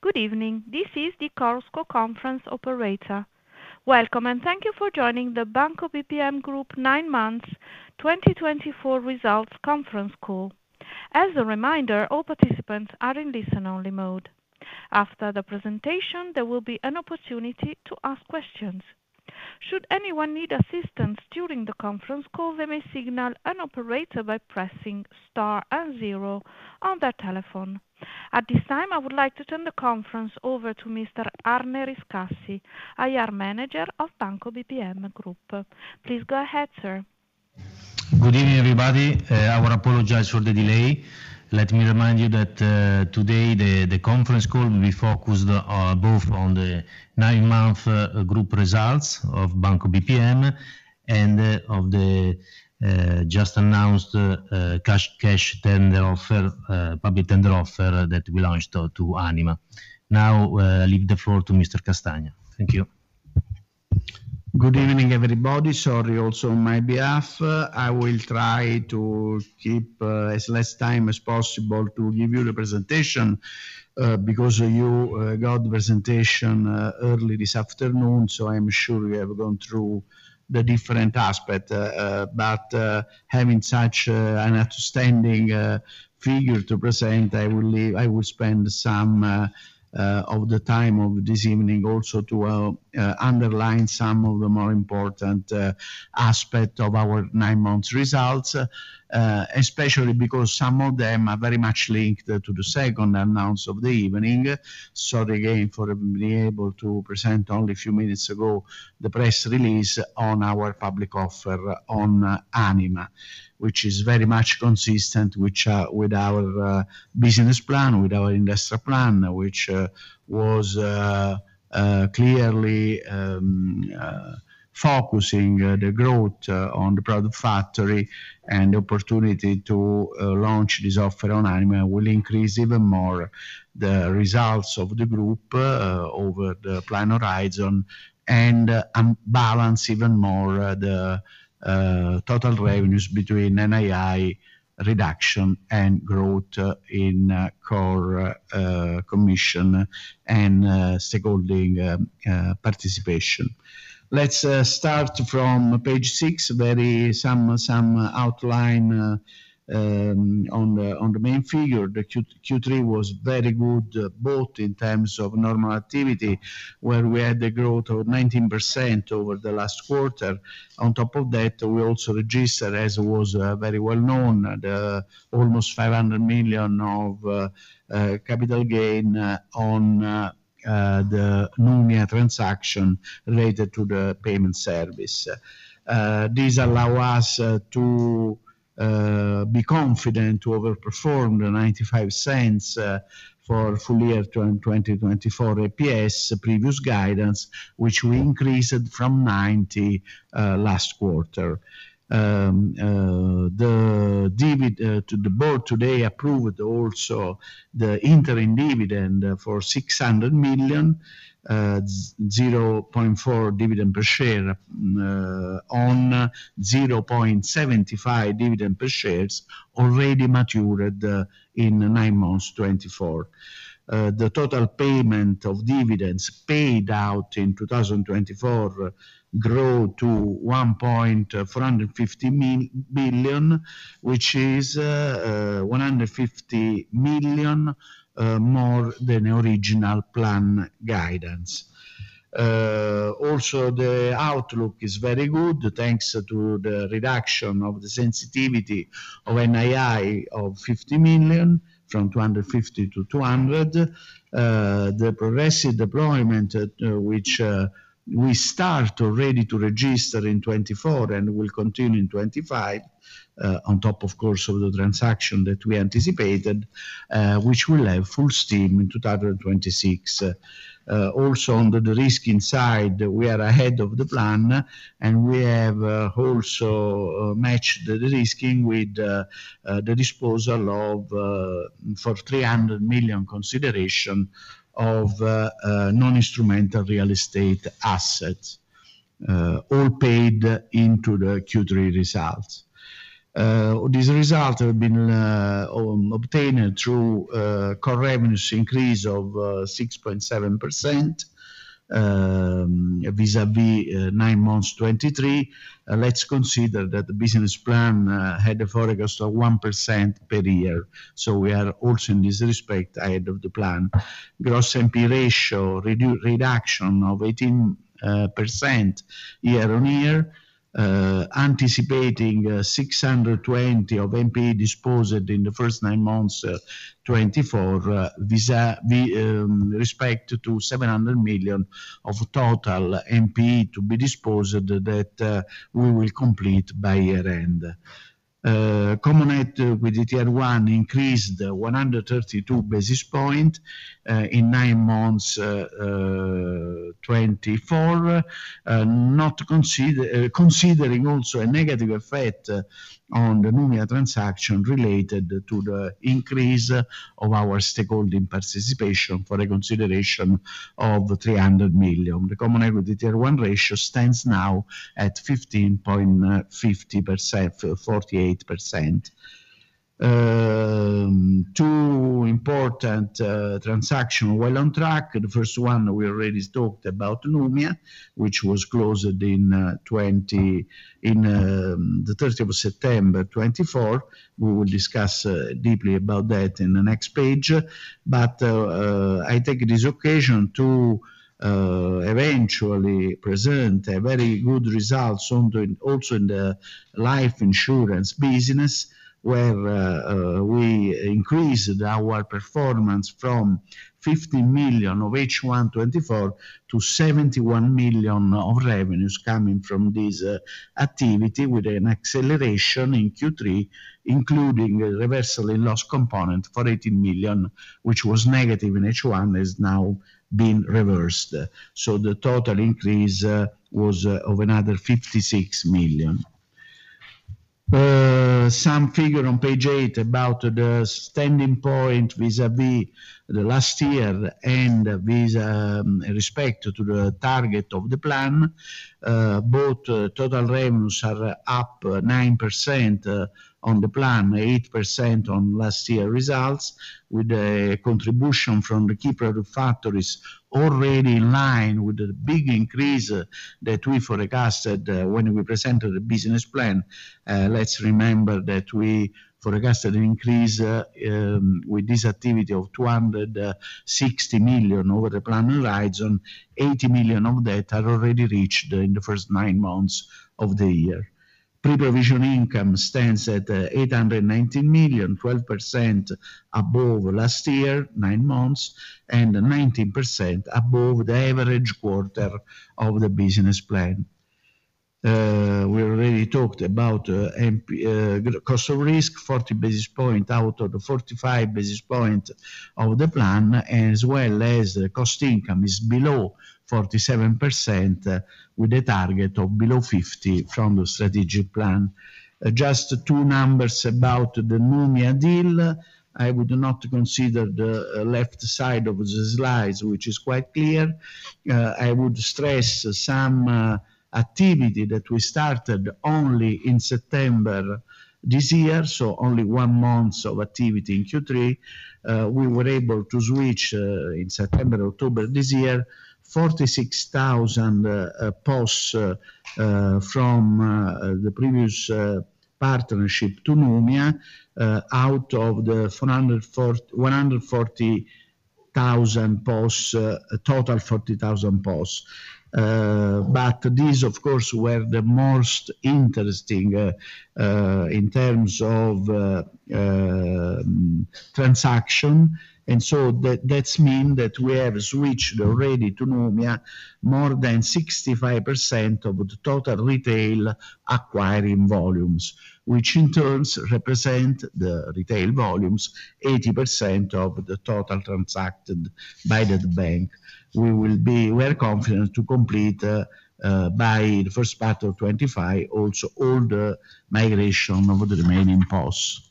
Good evening. This is the conference operator. Welcome, and thank you for joining the Banco BPM Group 9 Months 2024 Results Conference Call. As a reminder, all participants are in listen-only mode. After the presentation, there will be an opportunity to ask questions. Should anyone need assistance during the conference call, they may signal an operator by pressing star and zero on their telephone. At this time, I would like to turn the conference over to Mr. Arne Riscassi, IR Manager of Banco BPM Group. Please go ahead, sir. Good evening, everybody. I would apologize for the delay. Let me remind you that today the conference call will be focused both on the nine-month group results of Banco BPM and of the just-announced cash tender offer, public tender offer that we launched to Anima. Now, I leave the floor to Mr. Castagna. Thank you. Good evening, everybody. Sorry, also on my behalf, I will try to keep as little time as possible to give you the presentation because you got the presentation early this afternoon, so I'm sure you have gone through the different aspects. But having such an outstanding figure to present, I will spend some of the time of this evening also to underline some of the more important aspects of our 9-month results, especially because some of them are very much linked to the second announcement of the evening. Sorry again for being able to present only a few minutes ago the press release on our public offer on Anima, which is very much consistent with our business plan, with our industrial plan, which was clearly focusing the growth on the product factory and the opportunity to launch this offer on Anima will increase even more the results of the group over the planned horizon and balance even more the total revenues between NII reduction and growth in core commission and stakeholding participation. Let's start from page 6, some outline on the main figure. The Q3 was very good both in terms of normal activity, where we had a growth of 19% over the last quarter. On top of that, we also registered, as was very well known, almost 500 million of capital gain on the Numia transaction related to the payment service. This allowed us to be confident to overperform the 0.95 for full year 2024 EPS previous guidance, which we increased from 0.90 last quarter. The board today approved also the interim dividend for 600 million, 0.40 dividend per share on 0.75 dividend per share already matured in nine months 2024. The total payment of dividends paid out in 2024 grew to 1,450 million, which is 150 million more than the original planned guidance. Also, the outlook is very good thanks to the reduction of the sensitivity of NII of 50 million from 250 million to 200 million. The progressive deployment, which we start already to register in 2024 and will continue in 2025, on top, of course, of the transaction that we anticipated, which will have full steam in 2026. Also, on the de-risking side, we are ahead of the plan, and we have also matched the de-risking with the disposal for 300 million consideration of non-instrumental real estate assets, all paid into the Q3 results. These results have been obtained through core revenues increase of 6.7% vis-à-vis 9 months 2023. Let's consider that the business plan had a forecast of 1% per year, so we are also in this respect ahead of the plan. Gross NP ratio reduction of 18% year on year, anticipating 620 million of NP disposed in the first 9 months 2024 with respect to 700 million of total NP to be disposed that we will complete by year-end. Common Equity Tier 1 increased 132 basis points in 9 months 2024, considering also a negative effect on the Numia transaction related to the increase of our stakeholding participation for a consideration of 300 million. The Common Equity Tier 1 ratio stands now at 15.48%. Two important transactions well on track. The first one we already talked about, Numia, which was closed on the 30th of September 2024. We will discuss deeply about that in the next page. But I take this occasion to eventually present a very good result also in the life insurance business, where we increased our performance from 15 million of H1 2024 to 71 million of revenues coming from this activity with an acceleration in Q3, including reversal in loss component for 18 million, which was negative in H1, has now been reversed. So the total increase was of another 56 million. Some figure on page 8 about the standing point vis-à-vis the last year and with respect to the target of the plan. Both total revenues are up 9% on the plan, 8% on last year results, with the contribution from the key product factories already in line with the big increase that we forecasted when we presented the business plan. Let's remember that we forecasted an increase with this activity of 260 million over the planned horizon. 80 million of that are already reached in the first nine months of the year. Pre-provision income stands at 819 million, 12% above last year, nine months, and 19% above the average quarter of the business plan. We already talked about cost of risk, 40 basis points out of the 45 basis points of the plan, as well as cost income is below 47% with a target of below 50 from the strategic plan. Just two numbers about the Numia deal. I would not consider the left side of the slides, which is quite clear. I would stress some activity that we started only in September this year, so only one month of activity in Q3. We were able to switch in September, October this year, 46,000 POS from the previous partnership to Numia out of the 140,000 POS, total 40,000 POS. But these, of course, were the most interesting in terms of transaction. And so that means that we have switched already to Numia more than 65% of the total retail acquiring volumes, which in turn represent the retail volumes, 80% of the total transacted by the bank. We will be very confident to complete by the first part of 2025 also all the migration of the remaining POS.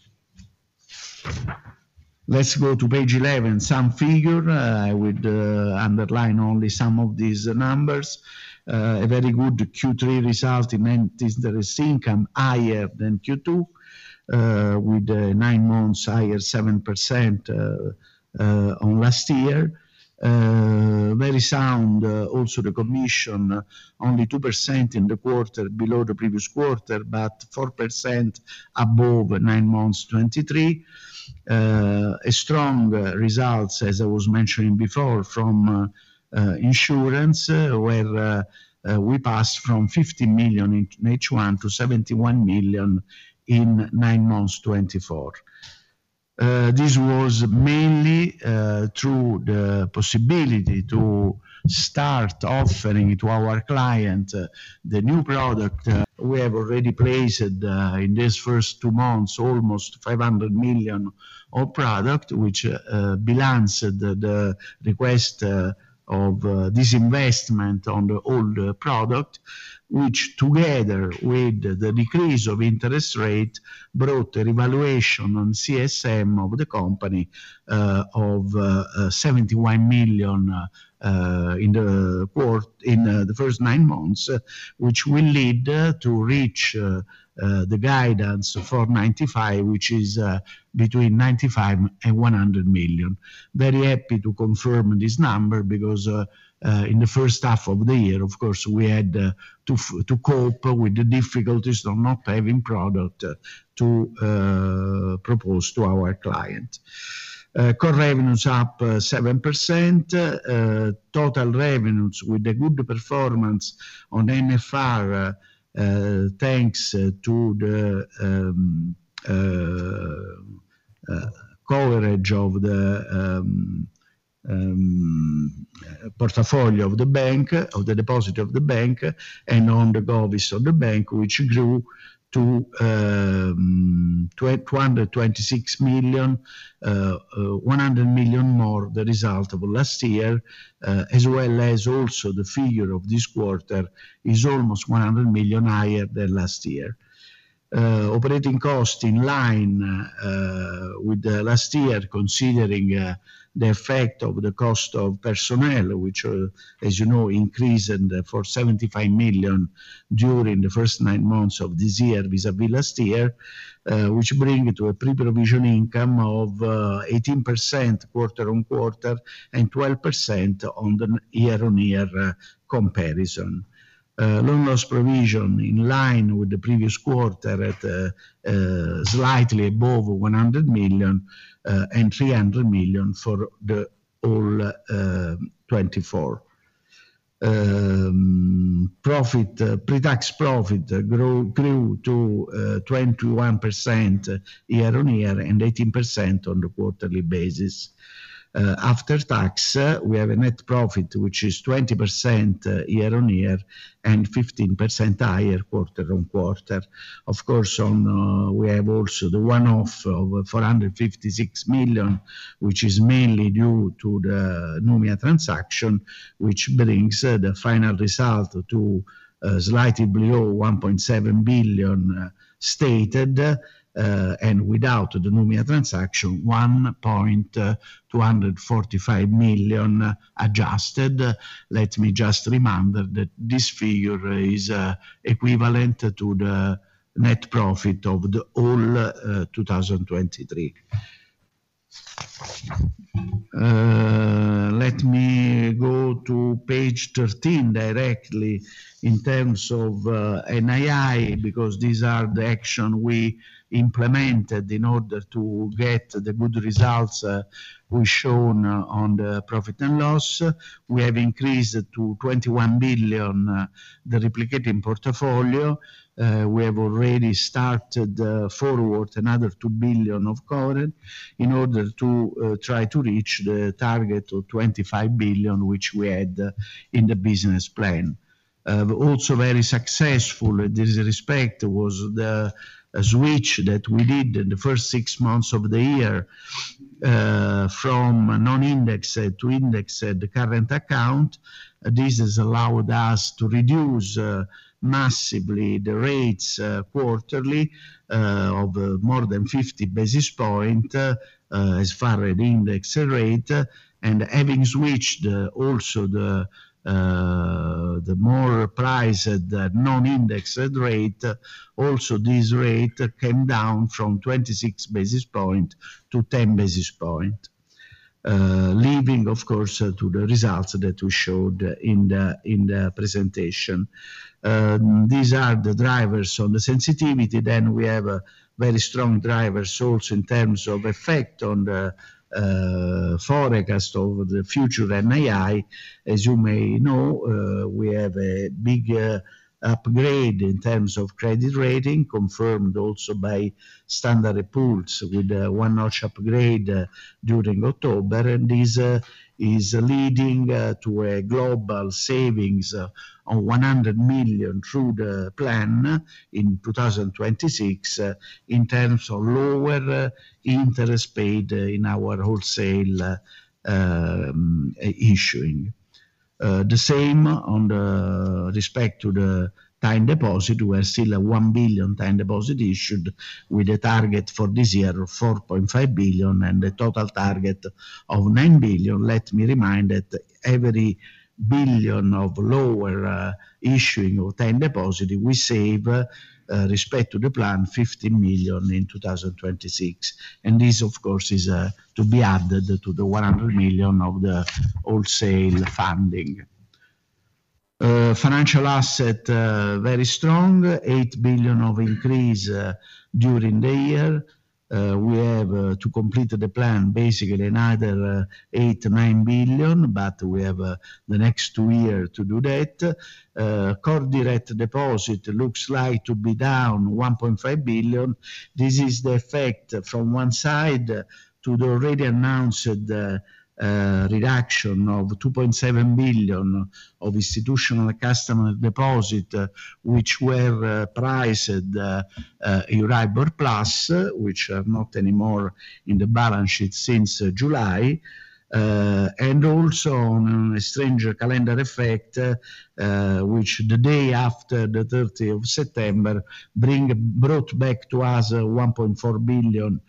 Let's go to page 11. Some figures. I would underline only some of these numbers. A very good Q3 result in interest income higher than Q2, with 9 months higher 7% on last year. Very sound also the commission, only 2% in the quarter below the previous quarter, but 4% above nine months 2023. A strong result, as I was mentioning before, from insurance, where we passed from 15 million in H1 to 71 million in nine months 2024. This was mainly through the possibility to start offering to our client the new product. We have already placed in these first two months almost 500 million of product, which balanced the request of this investment on the old product, which together with the decrease of interest rate brought a revaluation on CSM of the company of 71 million in the first nine months, which will lead to reach the guidance for 95, which is between 95 and 100 million. Very happy to confirm this number because in the first half of the year, of course, we had to cope with the difficulties of not having product to propose to our client. Core revenues up 7%. Total revenues with a good performance on NFR thanks to the coverage of the portfolio of the bank, of the deposit of the bank, and on the Govies of the bank, which grew to 226 million, 100 million more the result of last year, as well as also the figure of this quarter is almost 100 million higher than last year. Operating cost in line with last year, considering the effect of the cost of personnel, which, as you know, increased for 75 million during the first 9 months of this year vis-à-vis last year, which brings to a pre-provision income of 18% quarter on quarter and 12% on the year-on-year comparison. Loan loss provision in line with the previous quarter at slightly above 100 million and 300 million for the whole 2024. Pre-tax profit grew to 21% year-on-year and 18% on the quarterly basis. After tax, we have a net profit, which is 20% year-on-year and 15% higher quarter on quarter. Of course, we have also the one-off of 456 million, which is mainly due to the Numia transaction, which brings the final result to slightly below 1.7 billion stated, and without the Numia transaction, 1.245 million adjusted. Let me just remind that this figure is equivalent to the net profit of the whole 2023. Let me go to page 13 directly in terms of NII because these are the actions we implemented in order to get the good results we showed on the profit and loss. We have increased to 21 billion the replicating portfolio. We have already started forward another two billion of current in order to try to reach the target of 25 billion, which we had in the business plan. Also very successful in this respect was the switch that we did in the first six months of the year from non-indexed to indexed current account. This has allowed us to reduce massively the rates quarterly of more than 50 basis points as far as the indexed rate, and having switched also the more priced non-indexed rate, also this rate came down from 26 basis points to 10 basis points, leaving, of course, to the results that we showed in the presentation. These are the drivers on the sensitivity, then we have very strong drivers also in terms of effect on the forecast of the future NII. As you may know, we have a big upgrade in terms of credit rating confirmed also by Standard & Poor's with a one-notch upgrade during October. And this is leading to a global savings of 100 million through the plan in 2026 in terms of lower interest paid in our wholesale issuing. The same with respect to the time deposit. We are still at 1 billion time deposit issued with a target for this year of 4.5 billion and a total target of 9 billion. Let me remind that every billion of lower issuing of time deposit, we save with respect to the plan 15 million in 2026. And this, of course, is to be added to the 100 million of the wholesale funding. Financial assets very strong, 8 billion of increase during the year. We have to complete the plan basically another 8-9 billion, but we have the next two years to do that. Core direct deposit looks like to be down 1.5 billion. This is the effect from one side to the already announced reduction of 2.7 billion of institutional customer deposit, which were priced Euribor Plus, which are not anymore in the balance sheet since July. And also on a strange calendar effect, which the day after the 30th of September brought back to us 1.4 billion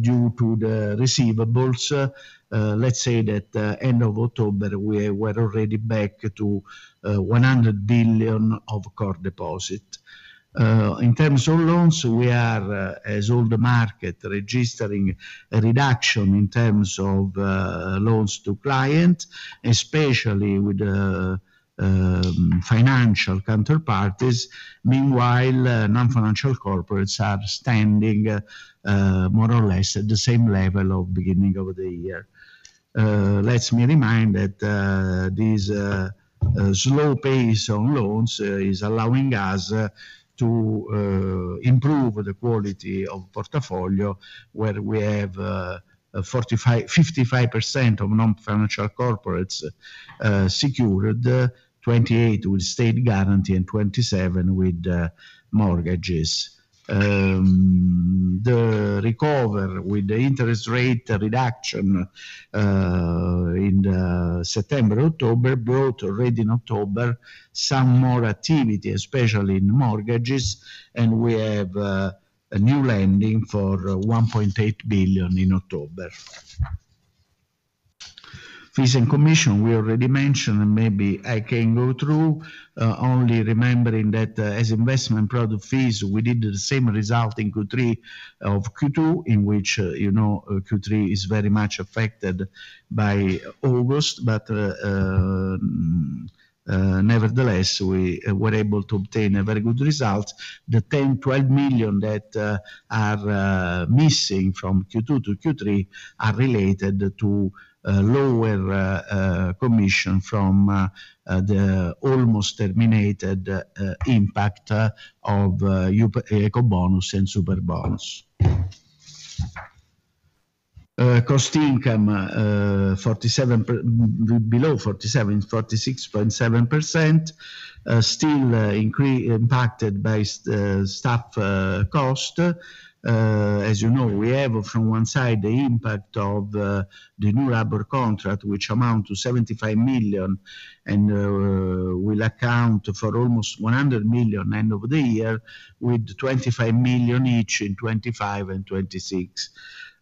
due to the receivables. Let's say that end of October, we were already back to 100 billion of core deposit. In terms of loans, we are, as all the market, registering a reduction in terms of loans to clients, especially with financial counterparties. Meanwhile, non-financial corporates are standing more or less at the same level of beginning of the year. Let me remind that this slow pace on loans is allowing us to improve the quality of portfolio, where we have 55% of non-financial corporates secured, 28% with state guarantee and 27% with mortgages. The recovery with the interest rate reduction in September, October brought already in October some more activity, especially in mortgages. And we have a new lending for 1.8 billion in October. Fees and commissions, we already mentioned, and maybe I can go through, only remembering that as investment product fees, we did the same result in Q3 as in Q2, in which Q3 is very much affected by August. But nevertheless, we were able to obtain a very good result. The 10-12 million that are missing from Q2 to Q3 are related to lower commissions from the almost terminated impact of Ecobonus and Superbonus. Cost/income below 47%, 46.7%, still impacted by staff costs. As you know, we have from one side the impact of the new labor contract, which amounts to 75 million and will account for almost 100 million end of the year, with 25 million each in 2025 and 2026.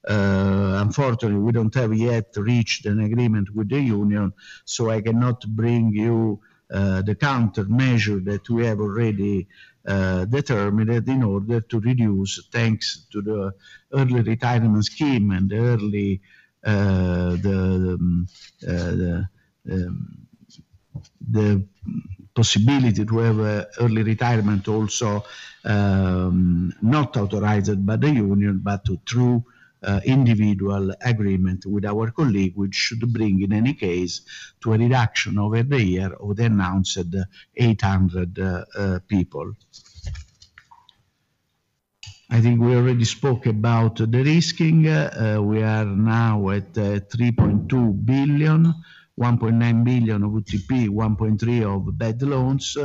Unfortunately, we don't have yet reached an agreement with the union, so I cannot bring you the countermeasure that we have already determined in order to reduce thanks to the early retirement scheme and the early possibility to have early retirement also not authorized by the union, but through individual agreement with our colleague, which should bring in any case to a reduction over the year of the announced 800 people. I think we already spoke about the NPEs. We are now at 3.2 billion, 1.9 billion of UTP, 1.3 billion of bad loans.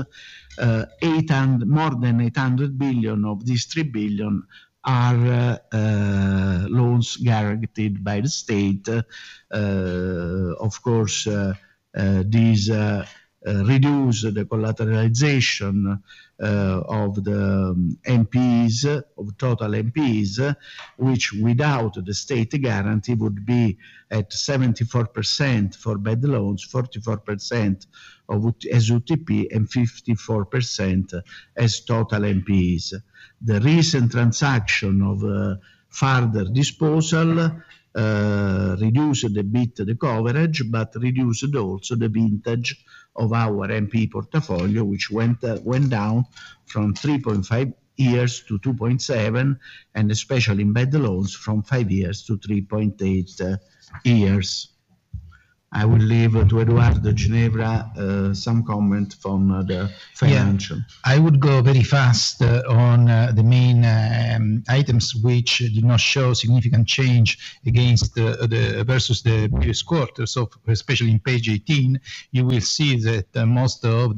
More than 800 million of these 3 billion are loans guaranteed by the state. Of course, these reduce the collateralization of the total NPEs, which without the state guarantee would be at 74% for bad loans, 44% as UTP, and 54% as total NPEs. The recent transaction of further disposal reduced a bit the coverage, but reduced also the vintage of our NPE portfolio, which went down from 3.5 years to 2.7, and especially in bad loans from 5 years to 3.8 years. I will leave to Edoardo Ginevra some comment from the financial. Yeah. I would go very fast on the main items, which did not show significant change versus the previous quarters, especially in page 18. You will see that most of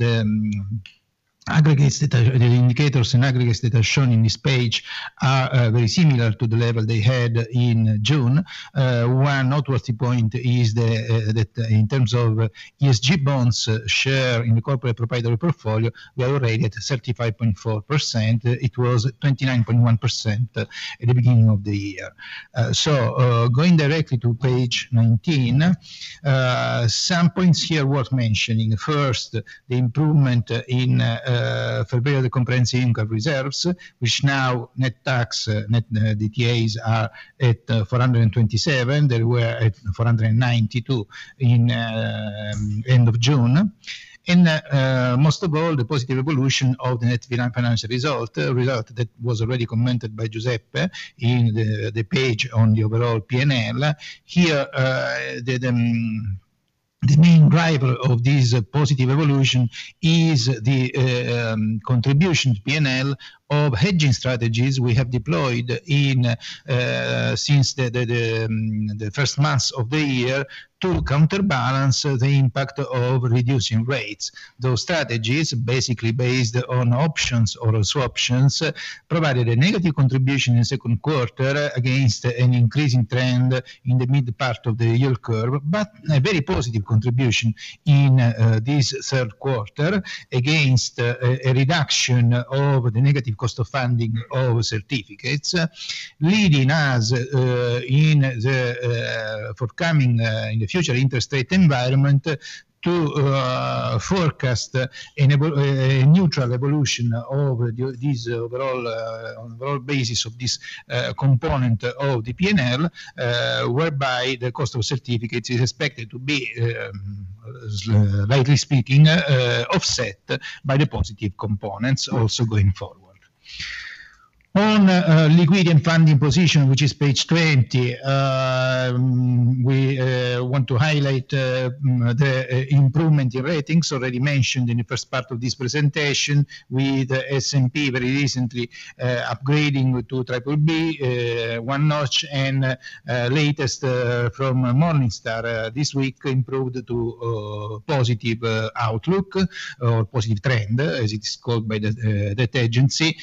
the indicators and aggregates that are shown in this page are very similar to the level they had in June. One noteworthy point is that in terms of ESG bonds share in the corporate proprietary portfolio, we are already at 35.4%. It was 29.1% at the beginning of the year, so going directly to page 19, some points here worth mentioning. First, the improvement in February of the comprehensive income reserves, which now, net of tax, net DTAs are at 427. They were at 492 at the end of June, and most of all, the positive evolution of the net financial result that was already commented by Giuseppe in the page on the overall P&L. Here, the main driver of this positive evolution is the contribution to P&L of hedging strategies we have deployed since the first months of the year to counterbalance the impact of reducing rates. Those strategies, basically based on options or swap options, provided a negative contribution in the second quarter against an increasing trend in the mid part of the yield curve, but a very positive contribution in this third quarter against a reduction of the negative cost of funding of certificates, leading us in the forthcoming future interest rate environment to forecast a neutral evolution of this overall basis of this component of the P&L, whereby the cost of certificates is expected to be, likely speaking, offset by the positive components also going forward. On liquid and funding position, which is page 20, we want to highlight the improvement in ratings already mentioned in the first part of this presentation, with S&P very recently upgrading to Triple B, one notch, and latest from Morningstar this week improved to positive outlook or positive trend, as it is called by that agency.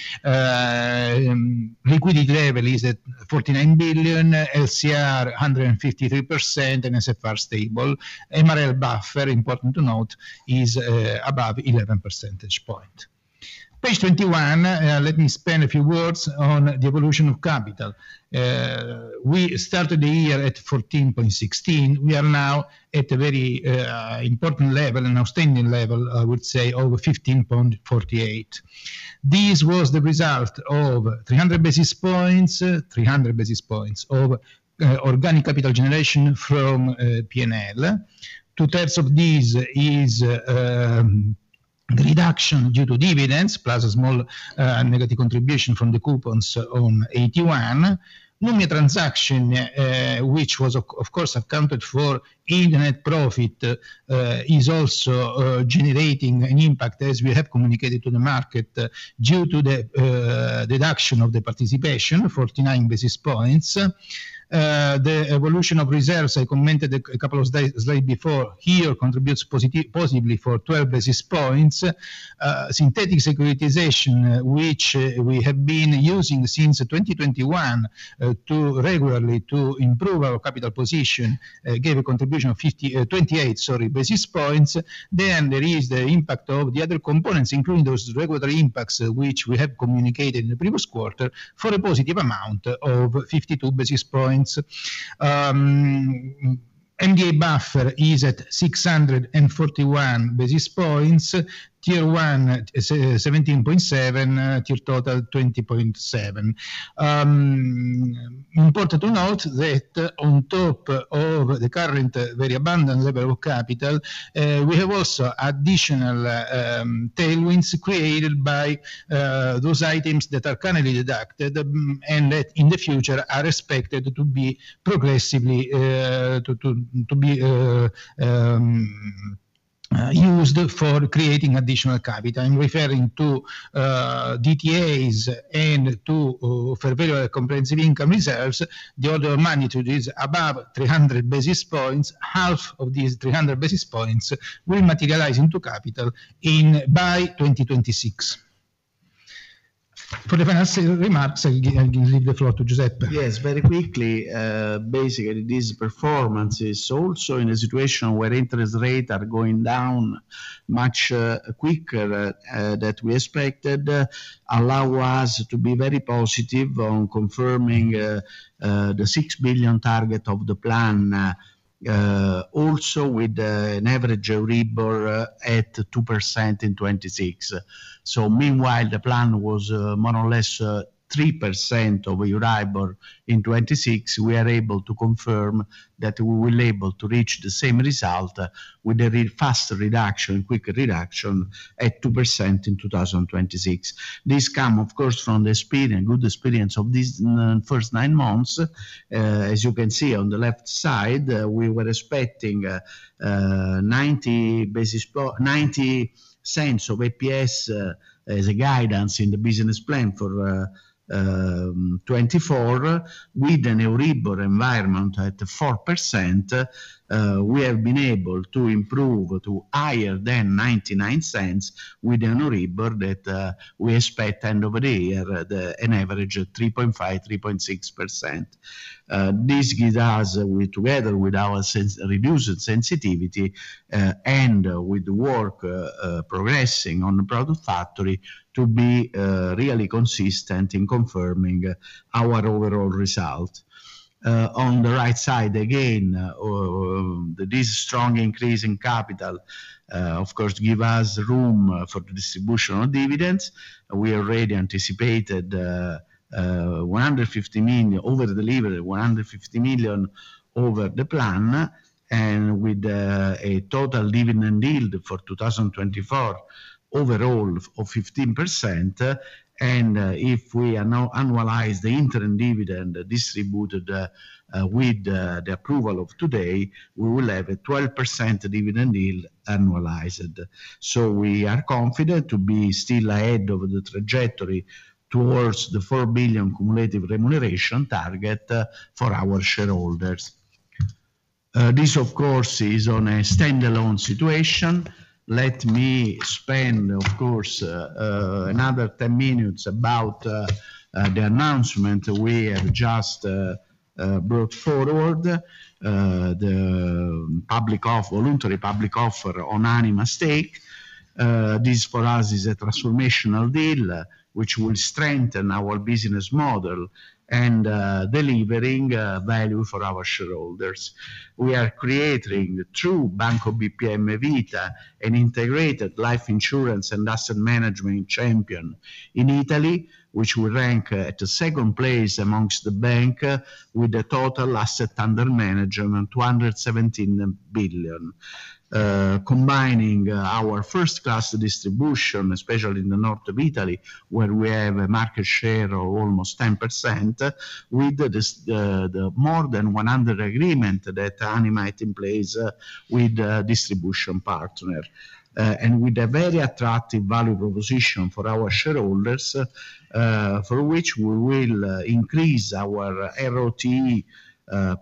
Liquidity level is at 49 billion, LCR 153%, and NSFR stable. MREL buffer, important to note, is above 11 percentage points. Page 21, let me spend a few words on the evolution of capital. We started the year at 14.16. We are now at a very important level and outstanding level, I would say, over 15.48. This was the result of 300 basis points, 300 basis points of organic capital generation from P&L. Two-thirds of this is the reduction due to dividends, plus a small negative contribution from the coupons on Numia transaction, which was, of course, accounted for in net profit, is also generating an impact, as we have communicated to the market, due to the deduction of the participation, 49 basis points. The evolution of reserves, I commented a couple of slides before here, contributes possibly for 12 basis points. Synthetic securitization, which we have been using since 2021 regularly to improve our capital position, gave a contribution of 28, sorry, basis points. Then there is the impact of the other components, including those regular impacts, which we have communicated in the previous quarter for a positive amount of 52 basis points. MDA Buffer is at 641 basis points. Tier 1, 17.7%, tier total 20.7%. Important to note that on top of the current very abundant level of capital, we have also additional tailwinds created by those items that are currently deducted and that in the future are expected to be progressively used for creating additional capital. I'm referring to DTAs and to comprehensive income reserves. The order of magnitude is above 300 basis points. Half of these 300 basis points will materialize into capital by 2026. For the financial remarks, I'll leave the floor to Giuseppe. Yes. Very quickly, basically, this performance is also in a situation where interest rates are going down much quicker than we expected, allow us to be very positive on confirming the 6 billion target of the plan, also with an average Euribor at 2% in 2026. So meanwhile, the plan was more or less 3% of Euribor in 2026. We are able to confirm that we will be able to reach the same result with a fast reduction, quick reduction at 2% in 2026. This come, of course, from the good experience of these first nine months. As you can see on the left side, we were expecting 90 cents of EPS as a guidance in the business plan for 2024. With an Euribor environment at 4%, we have been able to improve to higher than 0.99 with an Euribor that we expect end of the year, an average 3.5-3.6%. This gives us, together with our reduced sensitivity and with the work progressing on the product factory, to be really consistent in confirming our overall result. On the right side, again, this strong increase in capital, of course, gives us room for the distribution of dividends. We already anticipated over-delivered 150 million over the plan, and with a total dividend yield for 2024 overall of 15%. If we annualize the interim dividend distributed with the approval of today, we will have a 12% dividend yield annualized. We are confident to be still ahead of the trajectory towards the 4 billion cumulative remuneration target for our shareholders. This, of course, is on a standalone situation. Let me spend, of course, another 10 minutes about the announcement we have just brought forward, the voluntary public offer on Anima stake. This for us is a transformational deal which will strengthen our business model and delivering value for our shareholders. We are creating through Banco BPM Vita an integrated life insurance and asset management champion in Italy, which will rank at the second place amongst the bank with a total asset under management, 217 billion. Combining our first-class distribution, especially in the north of Italy, where we have a market share of almost 10%, with the more than 100 agreements that Anima has in place with distribution partners, and with a very attractive value proposition for our shareholders, for which we will increase our ROTE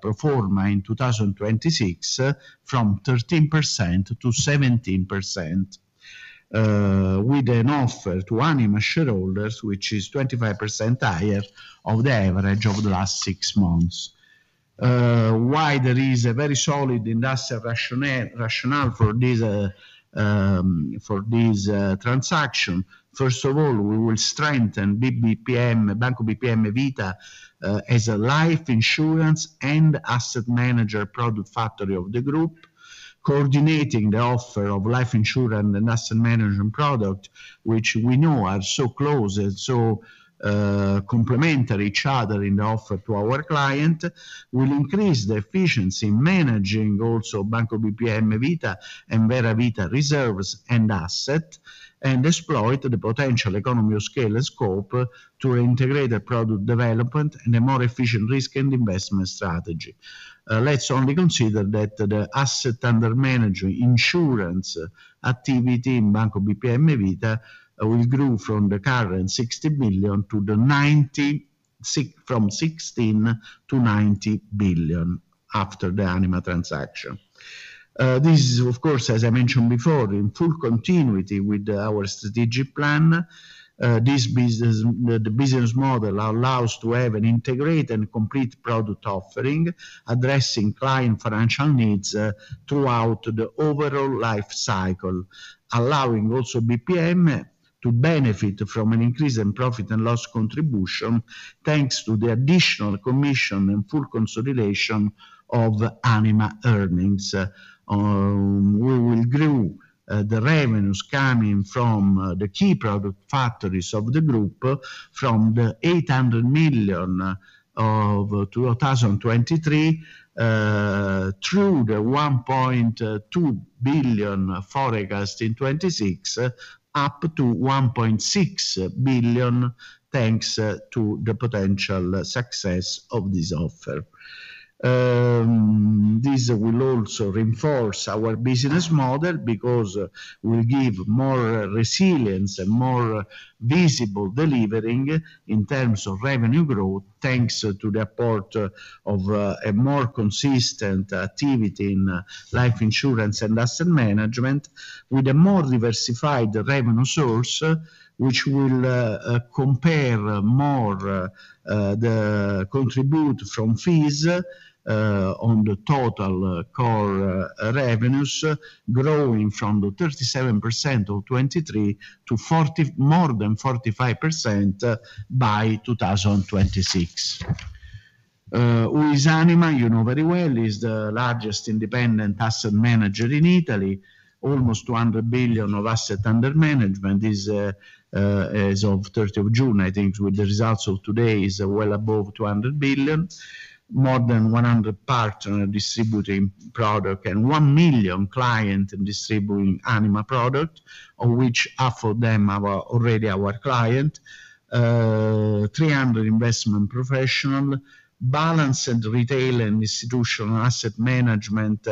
pro forma in 2026 from 13% to 17%, with an offer to Anima shareholders, which is 25% higher than the average of the last six months. Why is there a very solid industrial rationale for this transaction? First of all, we will strengthen Banco BPM Vita as a life insurance and asset management product factory of the group, coordinating the offer of life insurance and asset management products, which we know are so close and so complementary to each other in the offer to our clients. We'll increase the efficiency in managing also Banco BPM Vita and Vera Vita reserves and asset and exploit the potential economy of scale and scope to integrate a product development and a more efficient risk and investment strategy. Let's only consider that the asset under management insurance activity in Banco BPM Vita will grow from the current 60 billion to the 90 from 16 to 90 billion after the Anima transaction. This is, of course, as I mentioned before, in full continuity with our strategic plan. The business model allows us to have an integrated and complete product offering, addressing client financial needs throughout the overall life cycle, allowing also BPM to benefit from an increase in profit and loss contribution thanks to the additional commission and full consolidation of Anima earnings. We will grow the revenues coming from the key product factories of the group from 800 million of 2023 through the 1.2 billion forecast in 2026, up to 1.6 billion thanks to the potential success of this offer. This will also reinforce our business model because we'll give more resilience and more visible delivering in terms of revenue growth thanks to the support of a more consistent activity in life insurance and asset management, with a more diversified revenue source, which will compare more the contribution from fees on the total core revenues, growing from the 37% of 2023 to more than 45% by 2026. With Anima, you know very well, is the largest independent asset manager in Italy. Almost 200 billion of assets under management is, as of 30th of June, I think, with the results of today, is well above 200 billion. More than 100 partners distributing product and 1 million clients distributing Anima product, of which half of them are already our clients, 300 investment professionals, balanced retail and institutional asset management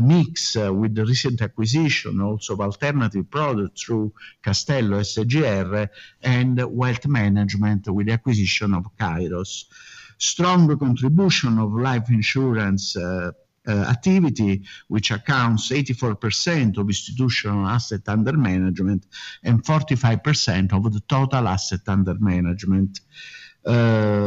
mix with the recent acquisition also of alternative products through Castello SGR, and wealth management with the acquisition of Kairos. Strong contribution of life insurance activity, which accounts for 84% of institutional asset under management and 45% of the total asset under management.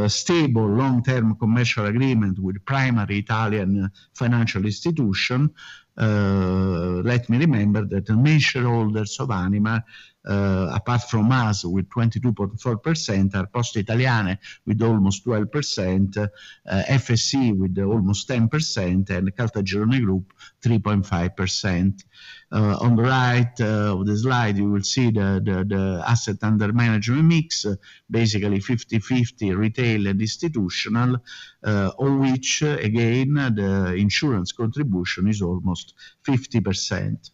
Stable long-term commercial agreement with a primary Italian financial institution. Let me remember that the main shareholders of Anima, apart from us, with 22.4%, are Poste Italiane with almost 12%, FSI with almost 10%, and Caltagirone Group 3.5%. On the right of the slide, you will see the asset under management mix, basically 50-50 retail and institutional, of which, again, the insurance contribution is almost 50%.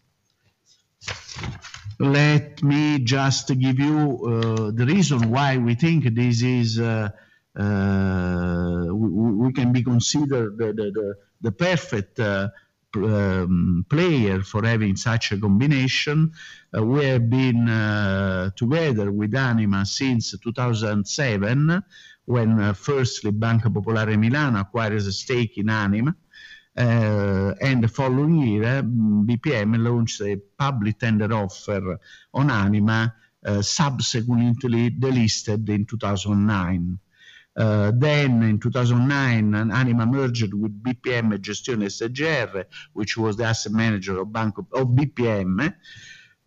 Let me just give you the reason why we think this is. We can be considered the perfect player for having such a combination. We have been together with Anima since 2007, when firstly Banca Popolare di Milano acquires a stake in Anima, and the following year, BPM launched a public tender offer on Anima, subsequently delisted in 2009. Then, in 2009, Anima merged with BPM Gestioni SGR, which was the asset manager of BPM.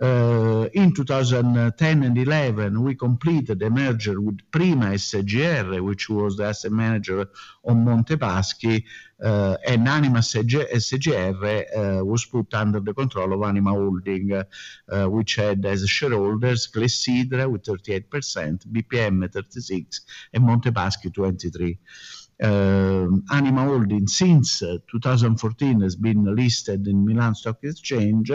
In 2010 and 2011, we completed the merger with Prima SGR, which was the asset manager of Monte Paschi, and Anima SGR was put under the control of Anima Holding, which had as shareholders Clessidra with 38%, BPM 36%, and Monte Paschi 23%. Anima Holding, since 2014, has been listed in Milan Stock Exchange,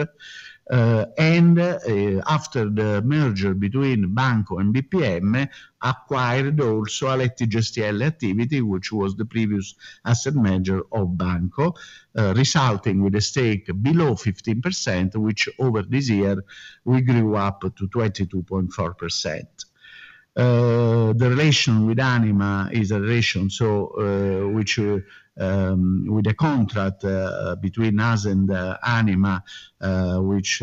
and after the merger between Banco and BPM, acquired also Aletti Gestielle, which was the previous asset manager of Banco, resulting with a stake below 15%, which over this year, we grew up to 22.4%. The relation with Anima is a relation with a contract between us and Anima, which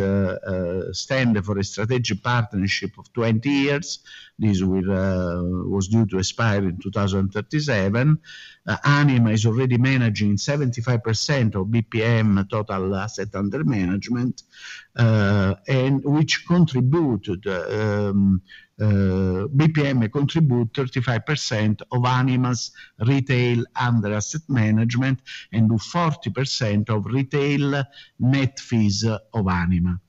stands for a strategic partnership of 20 years. This was due to expire in 2037. Anima is already managing 75% of BPM total asset under management, and BPM contributes 35% of Anima's retail under asset management and 40% of retail net fees of Anima.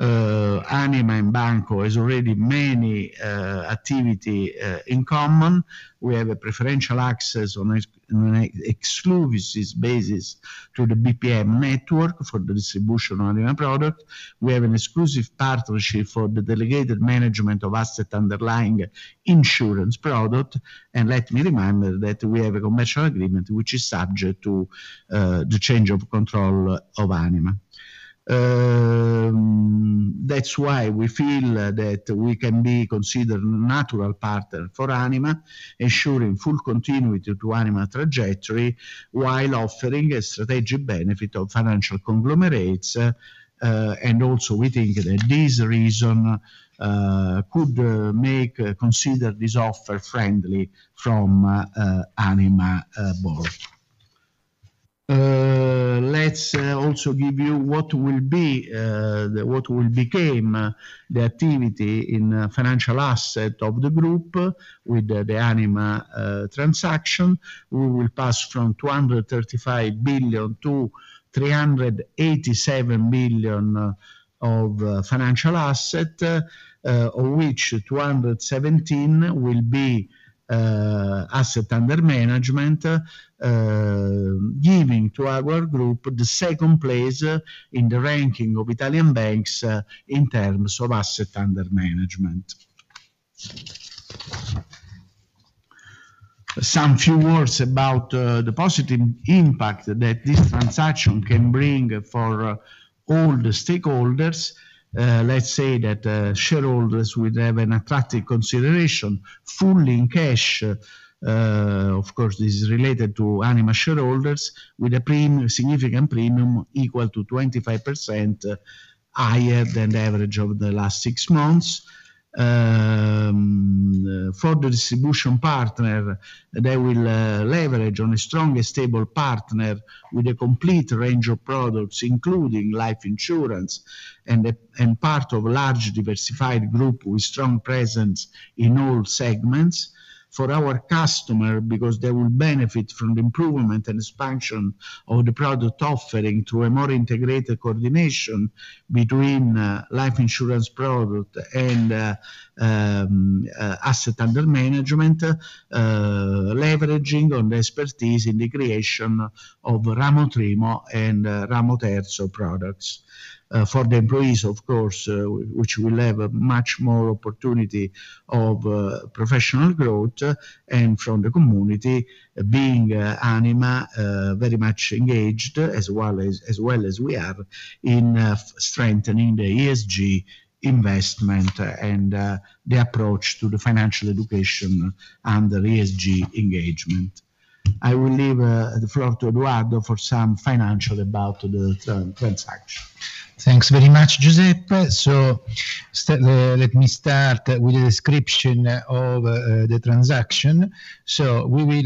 Anima and Banco have already many activities in common. We have a preferential access on an exclusive basis to the BPM network for the distribution of Anima product. We have an exclusive partnership for the delegated management of asset underlying insurance product. Let me remind you that we have a commercial agreement, which is subject to the change of control of Anima. That's why we feel that we can be considered a natural partner for Anima, ensuring full continuity to Anima trajectory while offering a strategic benefit of financial conglomerates. We also think that this reason could consider this offer friendly from Anima board. Let's also give you what will become the activity in financial asset of the group with the Anima transaction. We will pass from 235 billion to 387 billion of financial asset, of which 217 billion will be asset under management, giving to our group the second place in the ranking of Italian banks in terms of asset under management. Some few words about the positive impact that this transaction can bring for all the stakeholders. Let's say that shareholders would have an attractive consideration fully in cash. Of course, this is related to Anima shareholders with a significant premium equal to 25% higher than the average of the last six months. For the distribution partner, they will leverage on a strong and stable partner with a complete range of products, including life insurance and part of a large diversified group with strong presence in all segments. For our customers, because they will benefit from the improvement and expansion of the product offering to a more integrated coordination between life insurance product and asset under management, leveraging on the expertise in the creation of Ramo Primo and Ramo Terzo products. For the employees, of course, which will have much more opportunity of professional growth and from the community, being Anima very much engaged as well as we are in strengthening the ESG investment and the approach to the financial education under ESG engagement. I will leave the floor to Edoardo for some financials about the transaction. Thanks very much, Giuseppe. Let me start with the description of the transaction. Technically,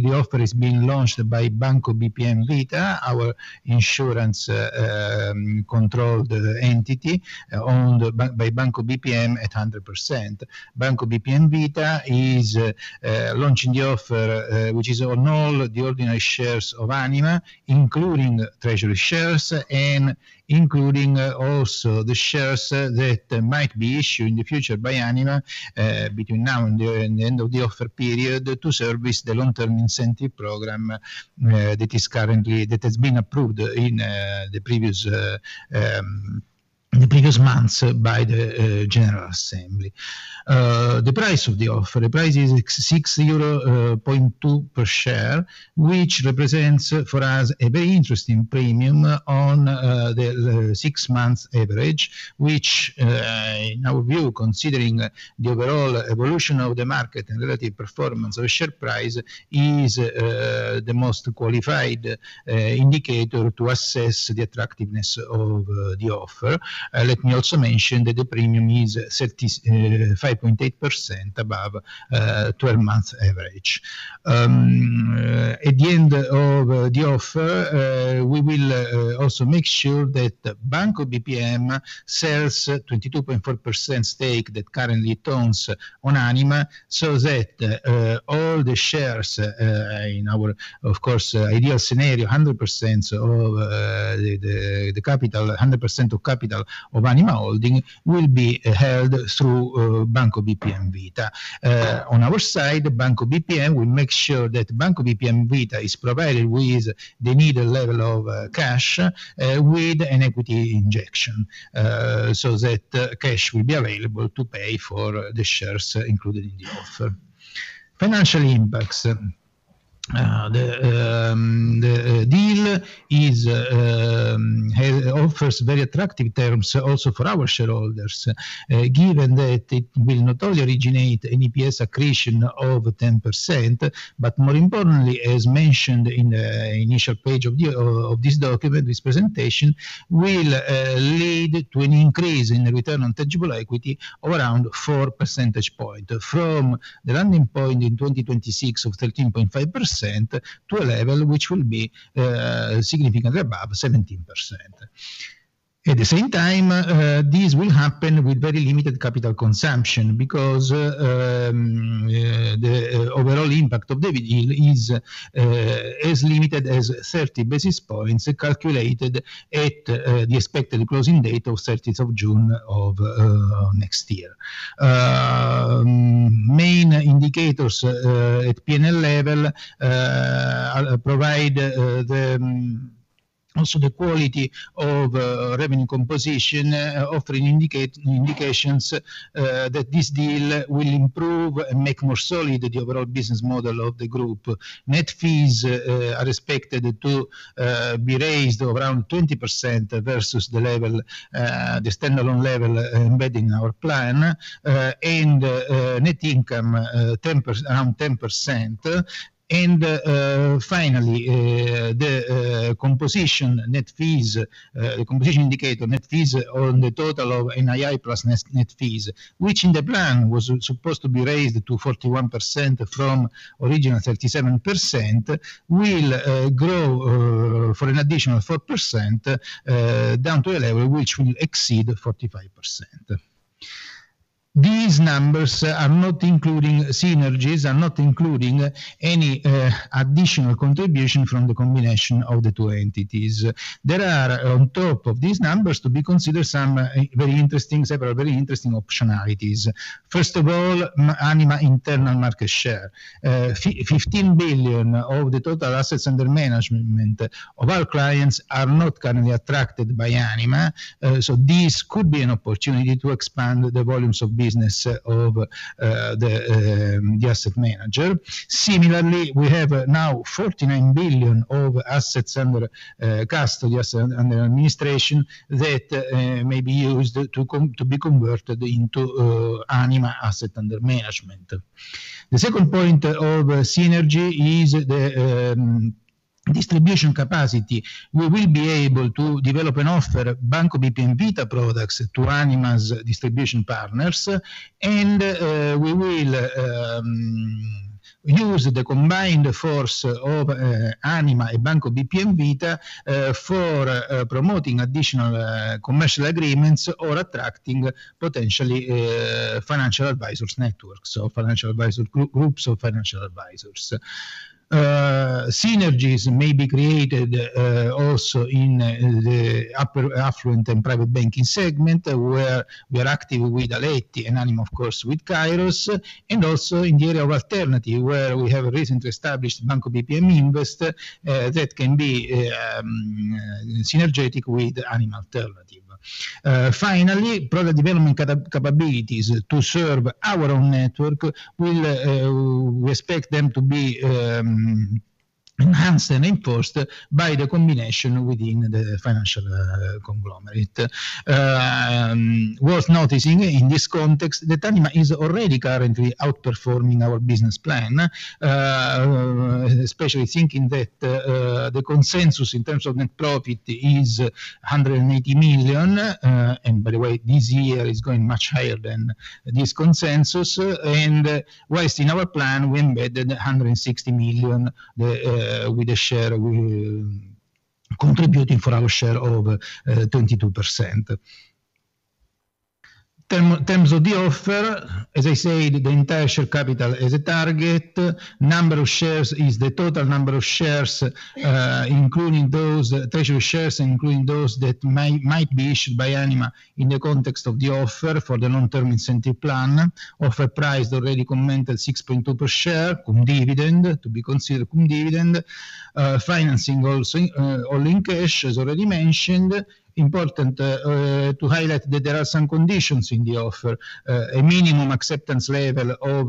the offer is being launched by Banco BPM Vita, our insurance-controlled entity owned by Banco BPM at 100%. Banco BPM Vita is launching the offer, which is on all the ordinary shares of Anima, including treasury shares and including also the shares that might be issued in the future by Anima between now and the end of the offer period to service the long-term incentive program that has been approved in the previous months by the General Assembly. The price of the offer, the price is 6.2 euro per share, which represents for us a very interesting premium on the six-month average, which, in our view, considering the overall evolution of the market and relative performance of the share price, is the most qualified indicator to assess the attractiveness of the offer. Let me also mention that the premium is 5.8% above 12-month average. At the end of the offer, we will also make sure that Banco BPM sells 22.4% stake that currently owns on Anima, so that all the shares in our, of course, ideal scenario, 100% of the capital, 100% of capital of Anima Holding will be held through Banco BPM Vita. On our side, Banco BPM will make sure that Banco BPM Vita is provided with the needed level of cash with an equity injection so that cash will be available to pay for the shares included in the offer. Financial impacts. The deal offers very attractive terms also for our shareholders, given that it will not only originate an EPS accretion of 10%, but more importantly, as mentioned in the initial page of this document, this presentation will lead to an increase in the return on tangible equity of around 4 percentage points from the landing point in 2026 of 13.5% to a level which will be significantly above 17%. At the same time, this will happen with very limited capital consumption because the overall impact of the deal is as limited as 30 basis points calculated at the expected closing date of 30th of June of next year. Main indicators at P&L level provide also the quality of revenue composition, offering indications that this deal will improve and make more solid the overall business model of the group. Net fees are expected to be raised around 20% versus the standalone level embedded in our plan, and net income around 10%, and finally, the composition net fees, the composition indicator net fees on the total of NII plus net fees, which in the plan was supposed to be raised to 41% from original 37%, will grow for an additional four% down to a level which will exceed 45%. These numbers are not including synergies, are not including any additional contribution from the combination of the two entities. There are, on top of these numbers, to be considered some very interesting optionalities. First of all, Anima internal market share. 15 billion of the total assets under management of our clients are not currently attracted by Anima. So this could be an opportunity to expand the volumes of business of the asset manager. Similarly, we have now 49 billion of assets under custody under administration that may be used to be converted into Anima asset under management. The second point of synergy is the distribution capacity. We will be able to develop an offer, Banco BPM Vita products, to Anima's distribution partners, and we will use the combined force of Anima and Banco BPM Vita for promoting additional commercial agreements or attracting potentially financial advisors networks, so financial advisor groups of financial advisors. Synergies may be created also in the affluent and private banking segment where we are active with Aletti and Anima, of course, with Kairos, and also in the area of alternative where we have recently established Banco BPM Invest that can be synergetic with Anima Alternative. Finally, product development capabilities to serve our own network will expect them to be enhanced and enforced by the combination within the financial conglomerate. Worth noticing in this context that Anima is already currently outperforming our business plan, especially thinking that the consensus in terms of net profit is 180 million, and by the way, this year is going much higher than this consensus, and whilst in our plan, we embedded 160 million with a share contributing for our share of 22%. In terms of the offer, as I said, the entire share capital is a target. Number of shares is the total number of shares, including those treasury shares, including those that might be issued by Anima in the context of the offer for the long-term incentive plan. Offer price already commented 6.2 per share, cum dividend, to be considered cum dividend. Financing also all in cash, as already mentioned. Important to highlight that there are some conditions in the offer, a minimum acceptance level of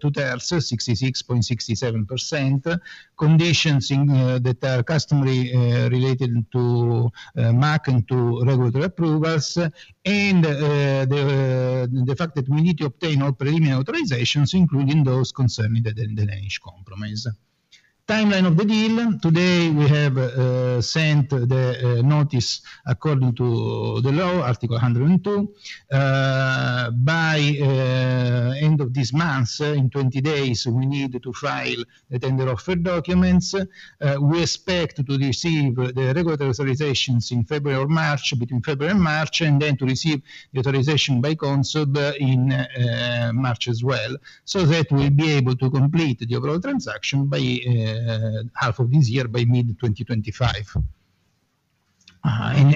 two-thirds, 66.67%, conditions that are customary related to MAC and to regulatory approvals, and the fact that we need to obtain all preliminary authorizations, including those concerning the Danish Compromise. Timeline of the deal. Today, we have sent the notice according to the law, Article 102. By end of this month, in 20 days, we need to file the tender offer documents. We expect to receive the regulatory authorizations in February or March, between February and March, and then to receive the authorization by Consob in March as well. So that we'll be able to complete the overall transaction by half of this year, by mid-2025,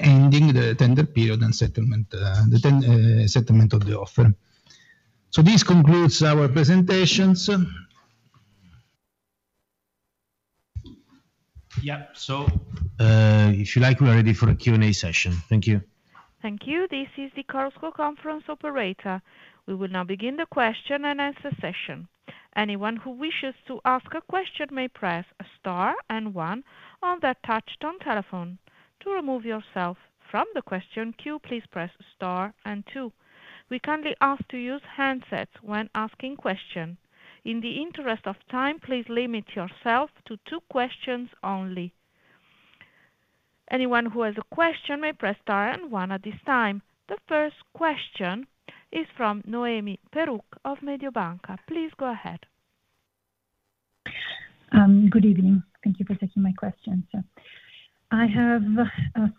ending the tender period and settlement of the offer. So this concludes our presentations. Yeah. So if you like, we're ready for a Q&A session. Thank you. Thank you. This is the conference operator. We will now begin the question and answer session. Anyone who wishes to ask a question may press star and one on the touch-tone telephone. To remove yourself from the question queue, please press star and two. We kindly ask to use handsets when asking questions. In the interest of time, please limit yourself to two questions only. Anyone who has a question may press star and one at this time. The first question is from Noemi Peruch of Mediobanca. Please go ahead. Good evening. Thank you for taking my question. So I have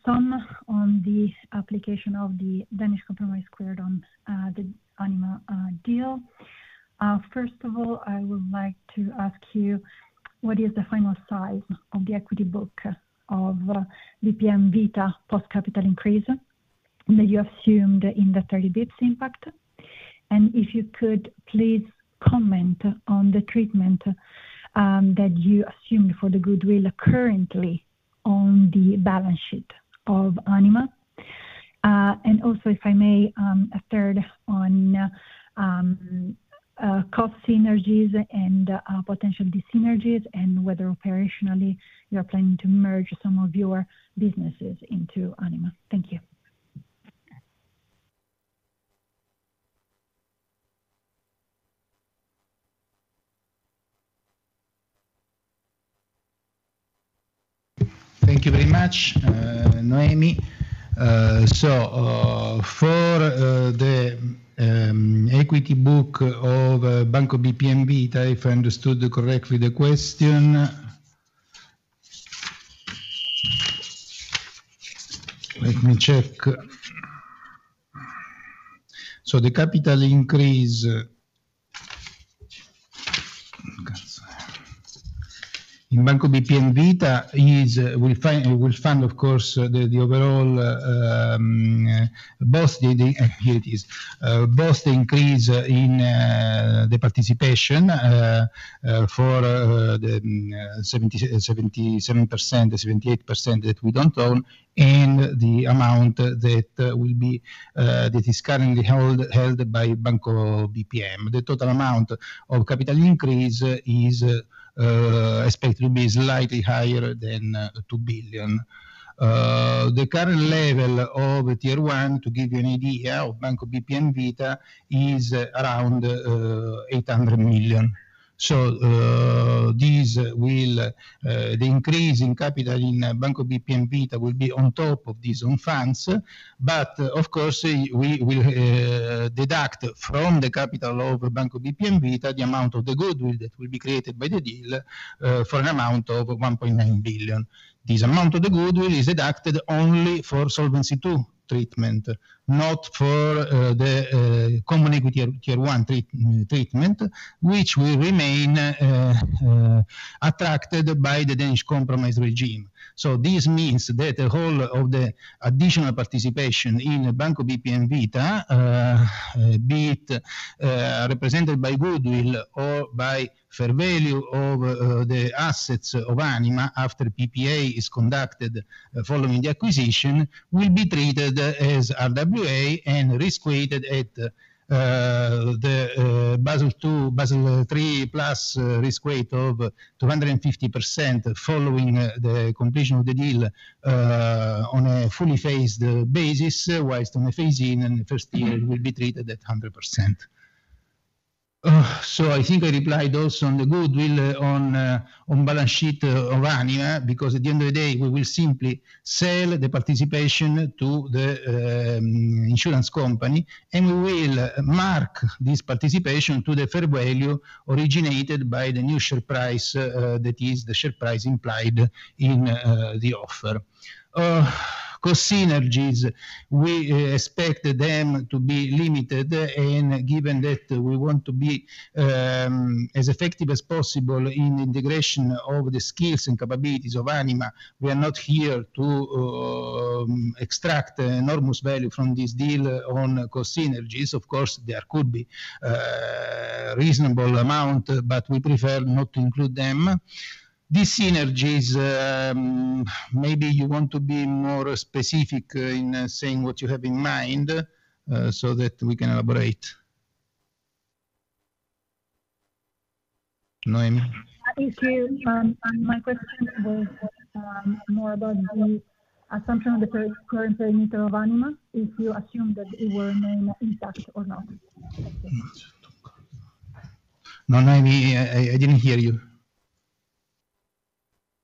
some on the application of the Danish Compromise squared on the Anima deal. First of all, I would like to ask you, what is the final size of the equity book of BPM Vita post-capital increase that you assumed in the 30 basis points impact? And if you could, please comment on the treatment that you assumed for the goodwill currently on the balance sheet of Anima. And also, if I may, a third on cost synergies and potential desynergies and whether operationally you are planning to merge some of your businesses into Anima. Thank you. Thank you very much, Noemi. So for the equity book of Banco BPM Vita, if I understood correctly the question, let me check. The capital increase in Banco BPM Vita will fund, of course, the overall, both the increase in the participation for the 77%-78% that we don't own, and the amount that is currently held by Banco BPM. The total amount of capital increase is expected to be slightly higher than 2 billion. The current level of Tier 1, to give you an idea of Banco BPM Vita, is around EUR 800 million. The increase in capital in Banco BPM Vita will be on top of these own funds. But of course, we will deduct from the capital of Banco BPM Vita the amount of the goodwill that will be created by the deal for an amount of 1.9 billion. This amount of the goodwill is deducted only for Solvency II treatment, not for the Common Equity Tier 1 treatment, which will remain attracted by the Danish Compromise regime. So this means that the whole of the additional participation in Banco BPM Vita, be it represented by goodwill or by fair value of the assets of Anima after PPA is conducted following the acquisition, will be treated as RWA and risk weighted at the Basel II, Basel III plus risk weight of 250% following the completion of the deal on a fully phased basis, whilst on a phase-in in the first year, it will be treated at 100%. So I think I replied also on the goodwill on balance sheet of Anima because at the end of the day, we will simply sell the participation to the insurance company, and we will mark this participation to the fair value originated by the new share price that is the share price implied in the offer. Cost synergies, we expect them to be limited, and given that we want to be as effective as possible in the integration of the skills and capabilities of Anima, we are not here to extract enormous value from this deal on cost synergies. Of course, there could be a reasonable amount, but we prefer not to include them. These synergies, maybe you want to be more specific in saying what you have in mind so that we can elaborate. Noemi. Thank you. My question was more about the assumption of the current perimeter of Anima. If you assume that it will remain intact or not. No, Noemi, I didn't hear you.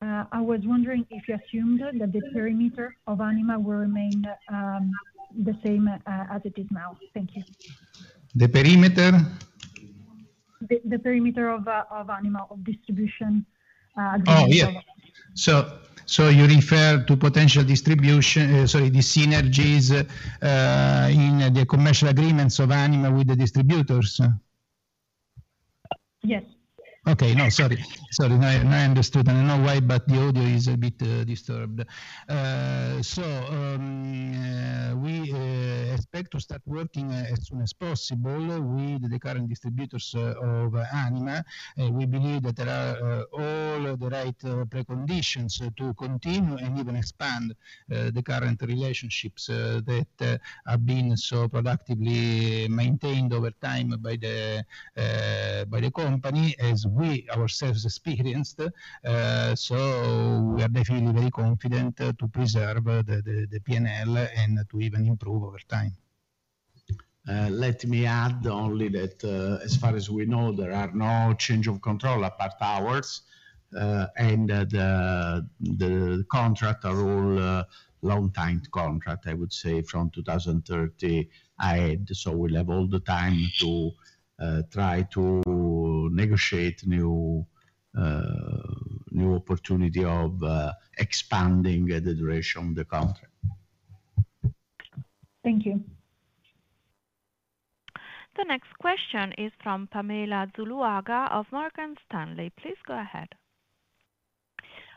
I was wondering if you assumed that the perimeter of Anima will remain the same as it is now. Thank you. The perimeter? The perimeter of Anima of distribution. Oh, yeah. So, you refer to potential distribution, sorry, the synergies in the commercial agreements of Anima with the distributors? Yes. Okay. No, sorry. Sorry. Now I understood. I don't know why, but the audio is a bit disturbed. So we expect to start working as soon as possible with the current distributors of Anima. We believe that there are all the right preconditions to continue and even expand the current relationships that have been so productively maintained over time by the company as we ourselves experienced. So we are definitely very confident to preserve the P&L and to even improve over time. Let me add only that as far as we know, there are no change of control apart ours, and the contracts are all long-time contracts, I would say, from 2013, so we'll have all the time to try to negotiate new opportunity of expanding the duration of the contract. Thank you. The next question is from Pamela Zuluaga of Morgan Stanley. Please go ahead.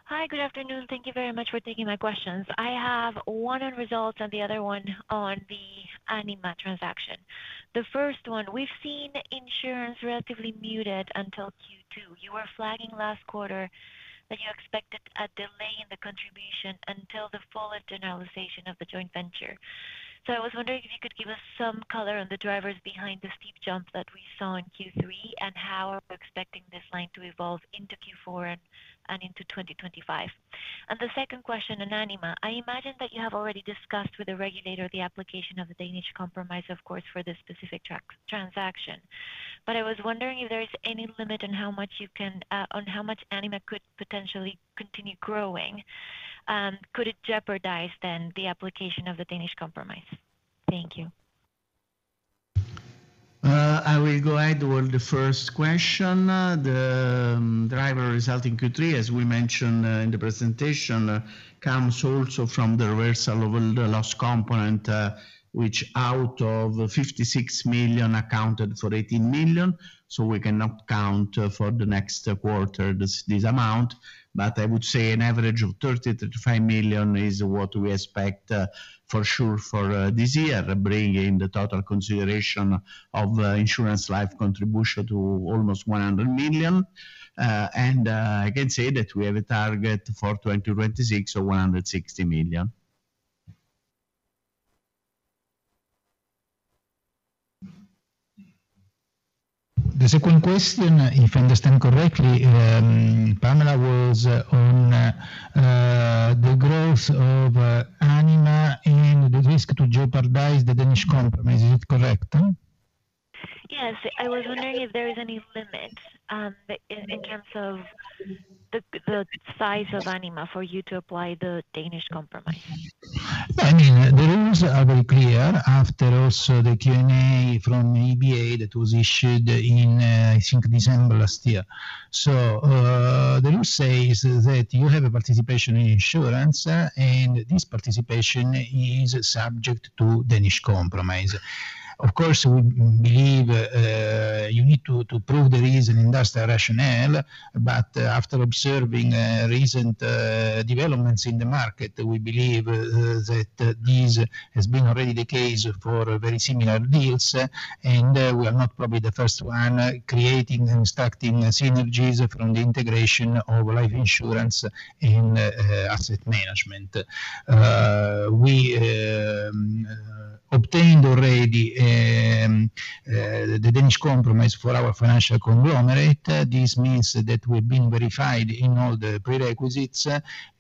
Hi, good afternoon. Thank you very much for taking my questions. I have one on results and the other one on the Anima transaction. The first one, we've seen insurance relatively muted until Q2. You were flagging last quarter that you expected a delay in the contribution until the full generalization of the joint venture. So I was wondering if you could give us some color on the drivers behind the steep jump that we saw in Q3 and how we're expecting this line to evolve into Q4 and into 2025. And the second question on Anima, I imagine that you have already discussed with the regulator the application of the Danish Compromise, of course, for this specific transaction. But I was wondering if there is any limit on how much Anima could potentially continue growing. Could it jeopardize then the application of the Danish Compromise? Thank you. I will go ahead with the first question. The driver resulting Q3, as we mentioned in the presentation, comes also from the reversal of the Loss Component, which out of 56 million accounted for 18 million. So we cannot count for the next quarter this amount. But I would say an average of 30-35 million is what we expect for sure for this year, bringing the total consideration of insurance life contribution to almost 100 million. And I can say that we have a target for 2026 of 160 million. The second question, if I understand correctly, Pamela was on the growth of Anima and the risk to jeopardize the Danish Compromise. Is it correct? Yes. I was wondering if there is any limit in terms of the size of Anima for you to apply the Danish Compromise. I mean, the rules are very clear after also the Q&A from EBA that was issued in, I think, December last year. So the rule says that you have a participation in insurance, and this participation is subject to Danish Compromise. Of course, we believe you need to prove the real industrial rationale, but after observing recent developments in the market, we believe that this has been already the case for very similar deals, and we are not probably the first one creating and extracting synergies from the integration of life insurance and asset management. We obtained already the Danish Compromise for our financial conglomerate. This means that we've been verified in all the prerequisites,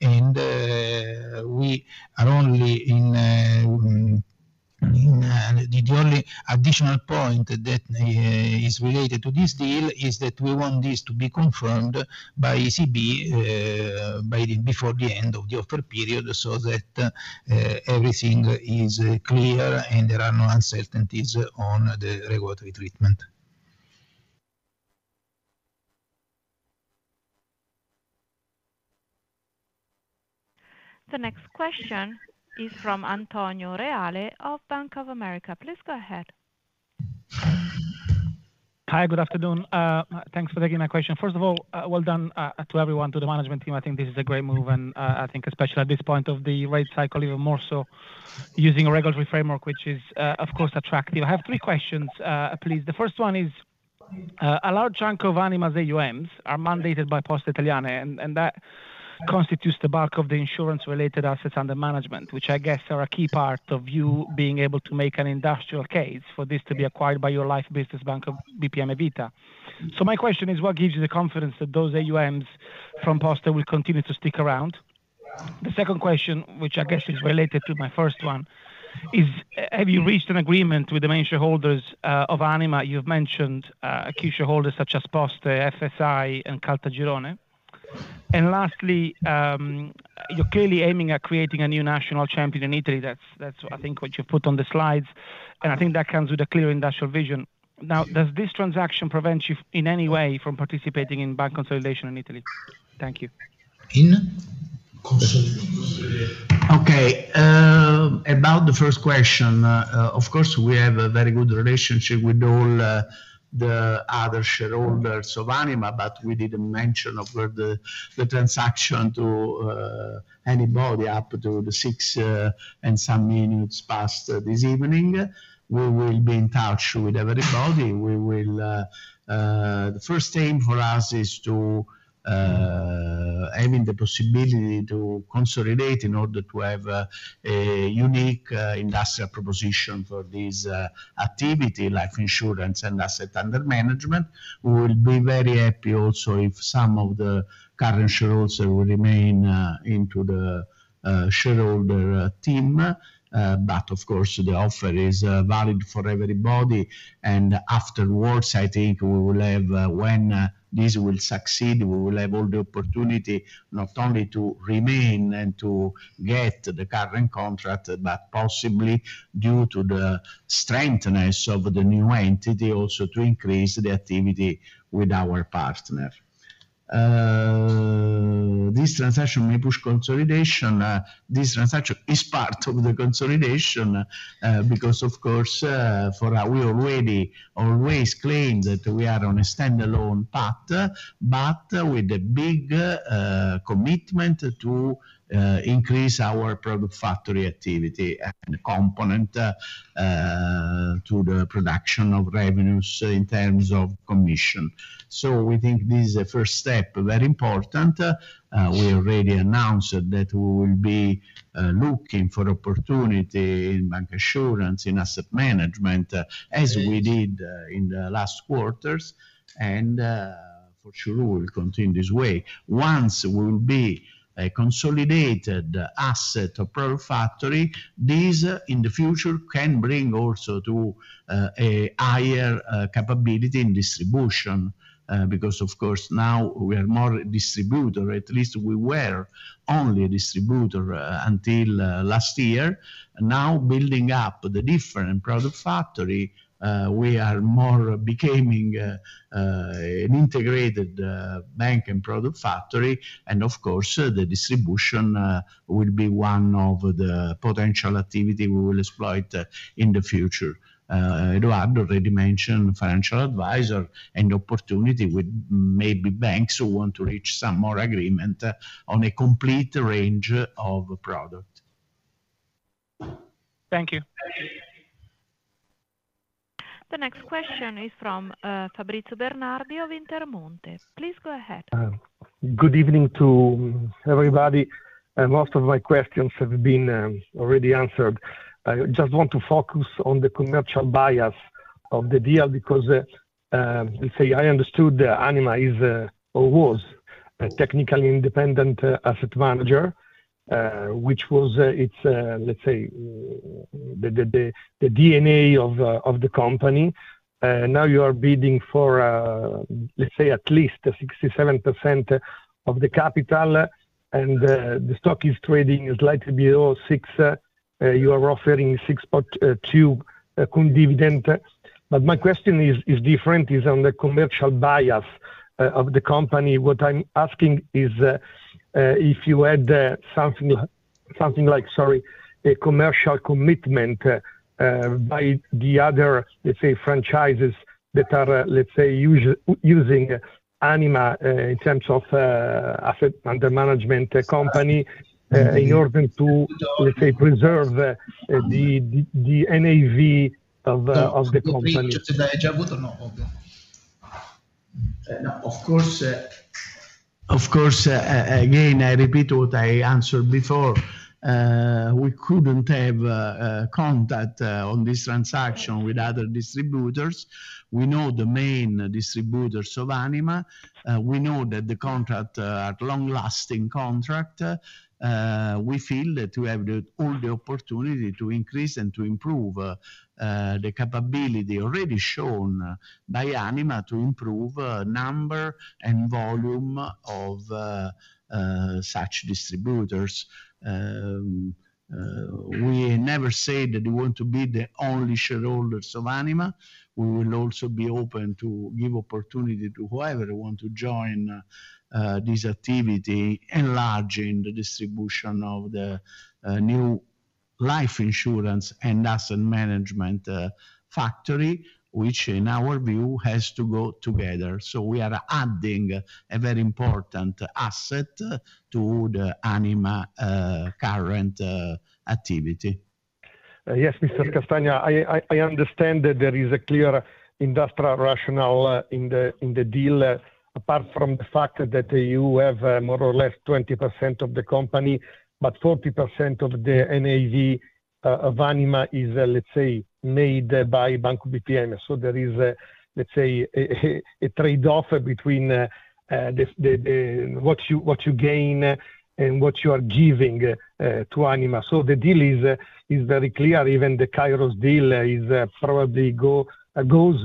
and we are only in the additional point that is related to this deal is that we want this to be confirmed by ECB before the end of the offer period so that everything is clear and there are no uncertainties on the regulatory treatment. The next question is from Antonio Reale of Bank of America. Please go ahead. Hi, good afternoon. Thanks for taking my question. First of all, well done to everyone, to the management team. I think this is a great move, and I think especially at this point of the rate cycle, even more so using a regulatory framework, which is, of course, attractive. I have three questions, please. The first one is a large chunk of Anima's AUMs are mandated by Poste Italiane, and that constitutes the bulk of the insurance-related assets under management, which I guess are a key part of you being able to make an industrial case for this to be acquired by your life business, Banco BPM Vita. So my question is, what gives you the confidence that those AUMs from Poste will continue to stick around? The second question, which I guess is related to my first one, is, have you reached an agreement with the main shareholders of Anima? You've mentioned key shareholders such as Poste, FSI, and Caltagirone. And lastly, you're clearly aiming at creating a new national champion in Italy. That's, I think, what you've put on the slides, and I think that comes with a clear industrial vision. Now, does this transaction prevent you in any way from participating in bank consolidation in Italy? Thank you. In? Okay. About the first question, of course, we have a very good relationship with all the other shareholders of Anima, but we didn't mention the transaction to anybody up to the 6 and some minutes past this evening. We will be in touch with everybody. The first aim for us is to have the possibility to consolidate in order to have a unique industrial proposition for this activity, life insurance and asset under management. We will be very happy also if some of the current shareholders will remain into the shareholder team. But of course, the offer is valid for everybody. Afterwards, I think we will have, when this will succeed, we will have all the opportunity not only to remain and to get the current contract, but possibly, due to the strength of the new entity, also to increase the activity with our partner. This transaction may push consolidation. This transaction is part of the consolidation because, of course, we always claim that we are on a standalone path, but with a big commitment to increase our product factory activity and component to the production of revenues in terms of commission. So we think this is a first step, very important. We already announced that we will be looking for opportunity in bancassurance, in asset management, as we did in the last quarters, and for sure, we will continue this way. Once we will be a consolidated asset or product factory, this, in the future, can bring also to a higher capability in distribution because, of course, now we are more distributor. At least we were only a distributor until last year. Now, building up the different product factory, we are more becoming an integrated bank and product factory. And of course, the distribution will be one of the potential activities we will exploit in the future. Edoardo already mentioned financial advisor and opportunity with maybe banks who want to reach some more agreement on a complete range of product. Thank you. The next question is from Fabrizio Bernardi of Intermonte. Please go ahead. Good evening to everybody. Most of my questions have been already answered. I just want to focus on the commercial basis of the deal because, let's say, I understood Anima is or was a technically independent asset manager, which was, let's say, the DNA of the company. Now you are bidding for, let's say, at least 67% of the capital, and the stock is trading slightly below 6. You are offering 6.2 dividend. But my question is different. It's on the commercial basis of the company. What I'm asking is if you had something like, sorry, a commercial commitment by the other, let's say, franchises that are, let's say, using Anima in terms of asset under management company in order to, let's say, preserve the NAV of the company. Of course, again, I repeat what I answered before. We couldn't have contact on this transaction with other distributors. We know the main distributors of Anima. We know that the contract are long-lasting contracts. We feel that we have all the opportunity to increase and to improve the capability already shown by Anima to improve number and volume of such distributors. We never said that we want to be the only shareholders of Anima. We will also be open to give opportunity to whoever wants to join this activity and leverage in the distribution of the new life insurance and asset management factory, which in our view has to go together. So we are adding a very important asset to the Anima's current activity. Yes, Mr. Castagna, I understand that there is a clear industrial rationale in the deal, apart from the fact that you have more or less 20% of the company, but 40% of the NAV of Anima is, let's say, made by Banco BPM. There is, let's say, a trade-off between what you gain and what you are giving to Anima. The deal is very clear. Even the Kairos deal is probably goes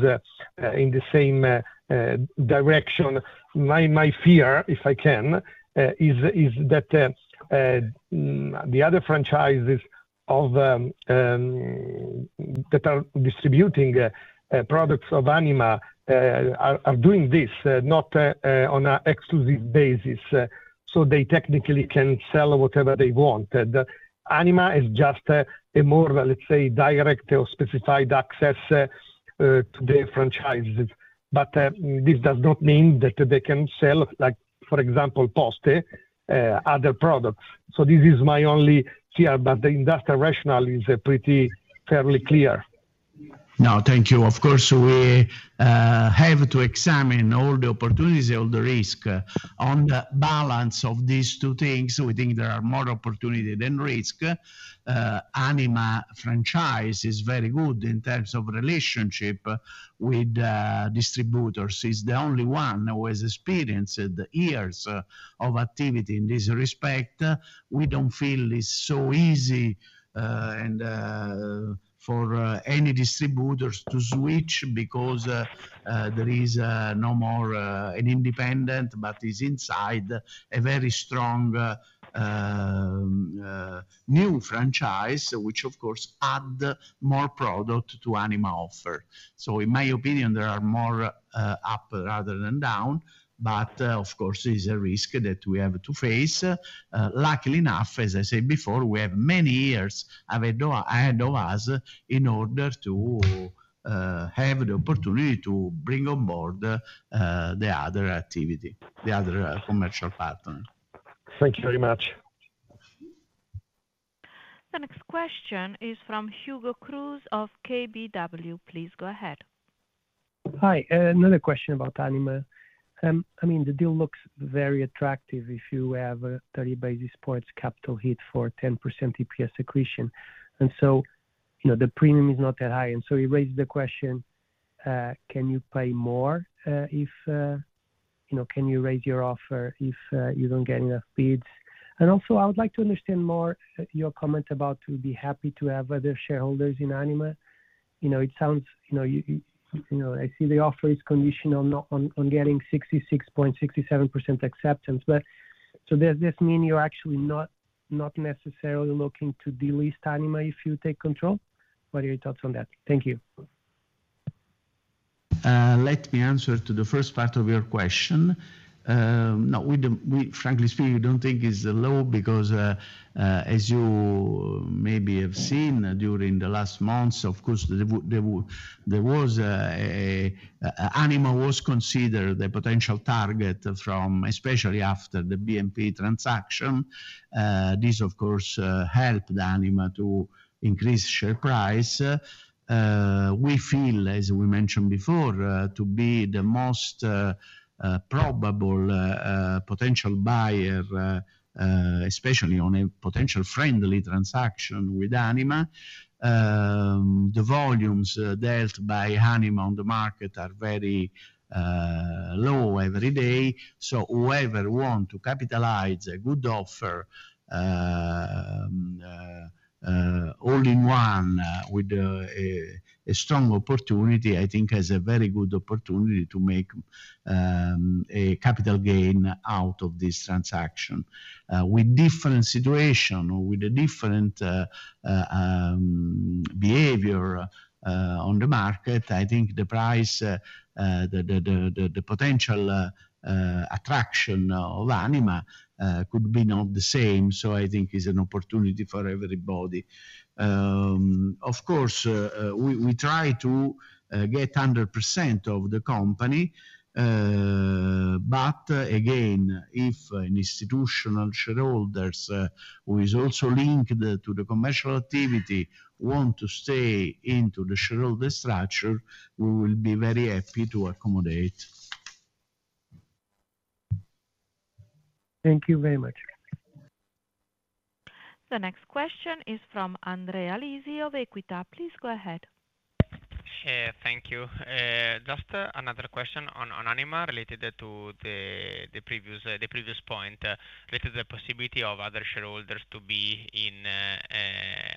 in the same direction. My fear, if I can, is that the other franchises that are distributing products of Anima are doing this not on an exclusive basis. They technically can sell whatever they want. Anima is just a more, let's say, direct or specified access to the franchises. But this does not mean that they can sell, for example, Poste other products. This is my only fear, but the industrial rationale is pretty fairly clear. No, thank you. Of course, we have to examine all the opportunities, all the risks. On the balance of these two things, we think there are more opportunities than risks. Anima franchise is very good in terms of relationship with distributors. It's the only one who has experienced years of activity in this respect. We don't feel it's so easy for any distributors to switch because there is no more an independent, but it's inside a very strong new franchise, which, of course, adds more product to Anima offer. So in my opinion, there are more up rather than down, but of course, it's a risk that we have to face. Luckily enough, as I said before, we have many years ahead of us in order to have the opportunity to bring on board the other activity, the other commercial partner. Thank you very much. The next question is from Hugo Cruz of KBW. Please go ahead. Hi. Another question about Anima. I mean, the deal looks very attractive if you have a 30 basis points capital hit for 10% EPS accretion. And so the premium is not that high. And so it raises the question, can you pay more, can you raise your offer if you don't get enough bids? And also, I would like to understand more your comment about we'd be happy to have other shareholders in Anima. It sounds. I see the offer is conditional on getting 66.67% acceptance. But does this mean you're actually not necessarily looking to delist Anima if you take control? What are your thoughts on that? Thank you. Let me answer to the first part of your question. No, frankly speaking, we don't think it's low because, as you maybe have seen during the last months, of course, there was Anima considered a potential target, especially after the BNP transaction. This, of course, helped Anima to increase share price. We feel, as we mentioned before, to be the most probable potential buyer, especially on a potential friendly transaction with Anima. The volumes dealt by Anima on the market are very low every day. So whoever wants to capitalize a good offer, all in one with a strong opportunity, I think has a very good opportunity to make a capital gain out of this transaction. With different situations or with a different behavior on the market, I think the price, the potential attraction of Anima could be not the same. So I think it's an opportunity for everybody. Of course, we try to get 100% of the company. But again, if an institutional shareholder who is also linked to the commercial activity wants to stay into the shareholder structure, we will be very happy to accommodate. Thank you very much. The next question is from Andrea Lisi of Equita. Please go ahead. Thank you. Just another question on Anima related to the previous point, related to the possibility of other shareholders to be in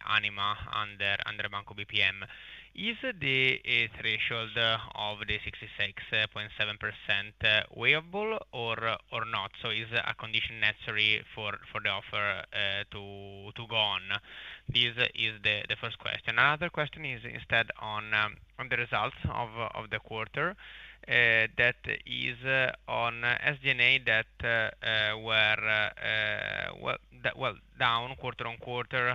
Anima under Banco BPM. Is the threshold of the 66.7% waivable or not? So is a condition necessary for the offer to go on? This is the first question. Another question is instead on the results of the quarter. That is on SG&A that were well down quarter on quarter.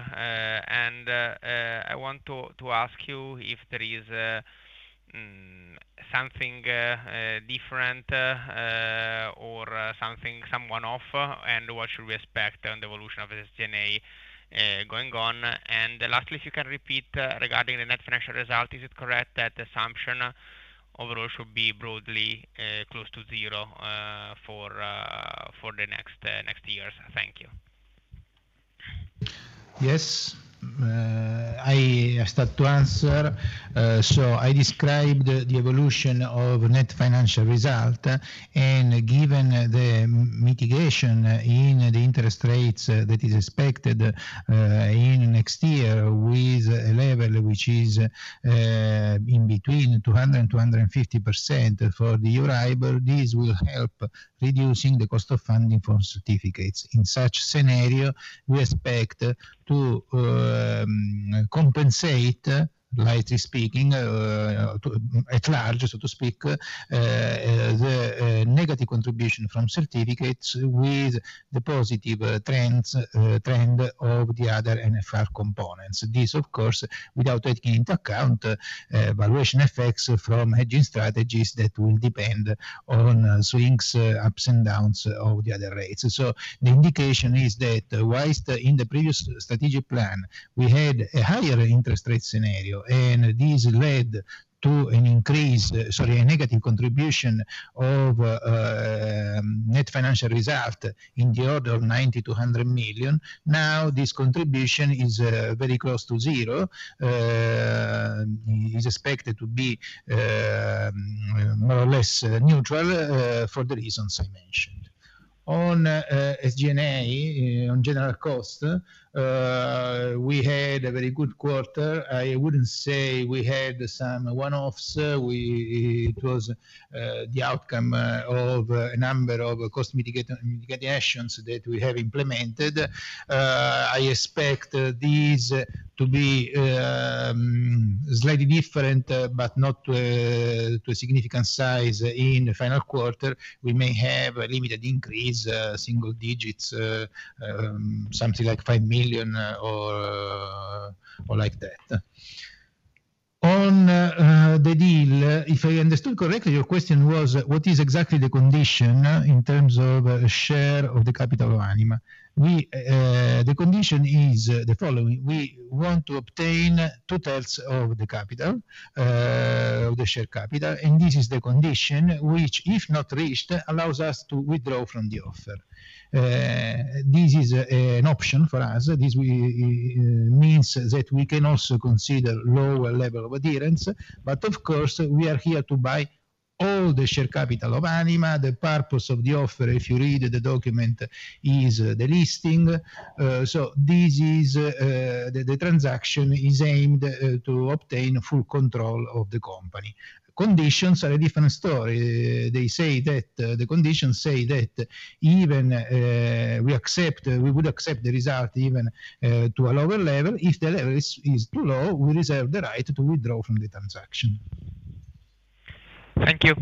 And I want to ask you if there is something different or something off, and what should we expect on the evolution of SG&A going on? And lastly, if you can repeat regarding the net financial result, is it correct that the assumption overall should be broadly close to zero for the next years? Thank you. Yes. I start to answer. So I described the evolution of net financial result. Given the moderation in the interest rates that is expected in the next year with a level which is between 200 and 250 bps for the 1-year Euribor, this will help reduce the cost of funding for certificates. In such scenario, we expect to compensate largely, so to speak, the negative contribution from certificates with the positive trend of the other NFR components. This, of course, without taking into account valuation effects from hedging strategies that will depend on swings, ups and downs of the other rates. The indication is that while in the previous strategic plan, we had a higher interest rate scenario, and this led to an increase, sorry, a negative contribution of net financial result in the order of 90-100 million. Now, this contribution is very close to zero. It is expected to be more or less neutral for the reasons I mentioned. On SG&A, on general cost, we had a very good quarter. I wouldn't say we had some one-offs. It was the outcome of a number of cost mitigation actions that we have implemented. I expect these to be slightly different, but not to a significant size in the final quarter. We may have a limited increase, single digits, something like 5 million or like that. On the deal, if I understood correctly, your question was, what is exactly the condition in terms of share of the capital of Anima? The condition is the following. We want to obtain two-thirds of the capital, of the share capital, and this is the condition which, if not reached, allows us to withdraw from the offer. This is an option for us. This means that we can also consider lower level of adherence. But of course, we are here to buy all the share capital of Anima. The purpose of the offer, if you read the document, is the delisting. So this is the transaction aimed to obtain full control of the company. Conditions are a different story. They say that the conditions say that even we accept, we would accept the result even to a lower level. If the level is too low, we reserve the right to withdraw from the transaction. Thank you.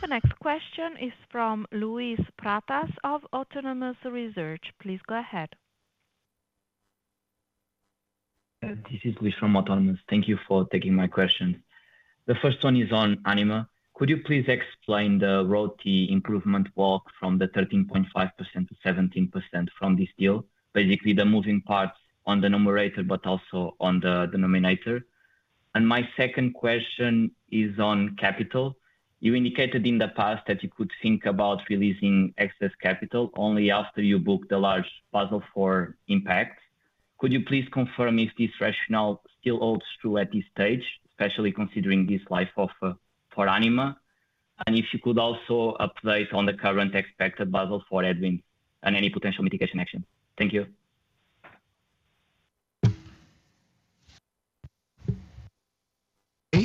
The next question is from Luis Pratas of Autonomous Research. Please go ahead. This is Luis from Autonomous. Thank you for taking my questions. The first one is on Anima. Could you please explain the ROTE improvement walk from the 13.5% to 17% from this deal? Basically, the moving parts on the numerator, but also on the denominator. And my second question is on capital. You indicated in the past that you could think about releasing excess capital only after you book the large Basel IV impact. Could you please confirm if this rationale still holds true at this stage, especially considering this life offer for Anima? And if you could also update on the current expected Basel IV headwind and any potential mitigation action? Thank you.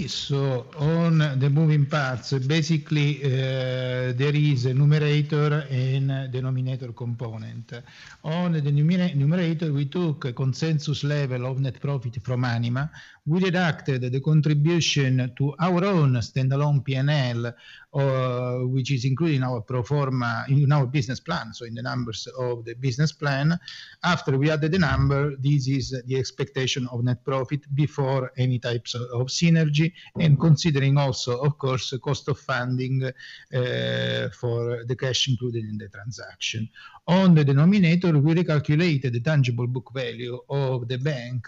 Okay. So on the moving parts, basically, there is a numerator and denominator component. On the numerator, we took a consensus level of net profit from Anima. We deducted the contribution to our own standalone P&L, which is included in our pro forma in our business plan, so in the numbers of the business plan. After we added the number, this is the expectation of net profit before any types of synergy and considering also, of course, the cost of funding for the cash included in the transaction. On the denominator, we recalculated the tangible book value of the bank,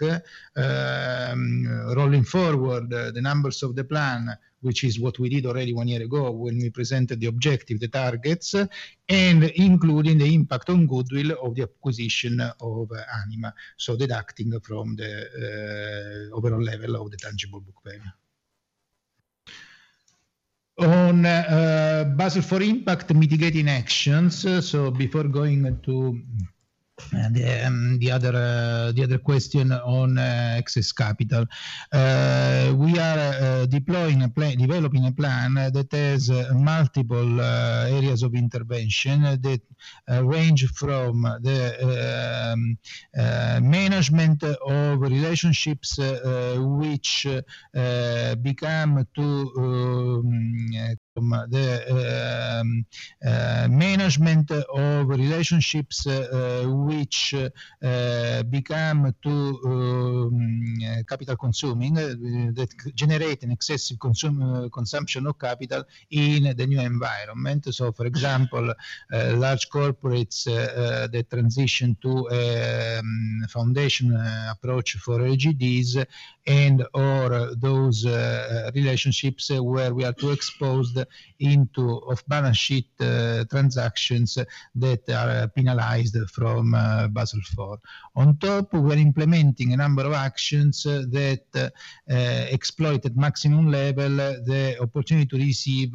rolling forward the numbers of the plan, which is what we did already one year ago when we presented the objective, the targets, and including the impact on goodwill of the acquisition of Anima. So deducting from the overall level of the tangible book value. On Basel IV impact mitigating actions, so before going to the other question on excess capital, we are deploying a plan, developing a plan that has multiple areas of intervention that range from the management of relationships which become too capital consuming that generate an excessive consumption of capital in the new environment. So, for example, large corporates that transition to a foundation approach for LGDs and/or those relationships where we are too exposed into balance sheet transactions that are penalized from Basel IV. On top, we are implementing a number of actions that exploited maximum level, the opportunity to receive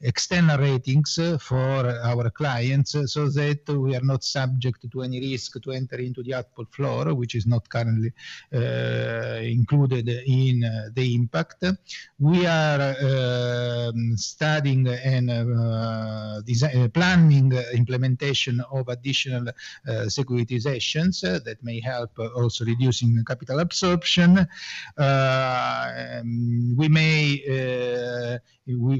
external ratings for our clients so that we are not subject to any risk to enter into the output floor, which is not currently included in the impact. We are studying and planning implementation of additional securitizations that may help also reduce capital absorption. We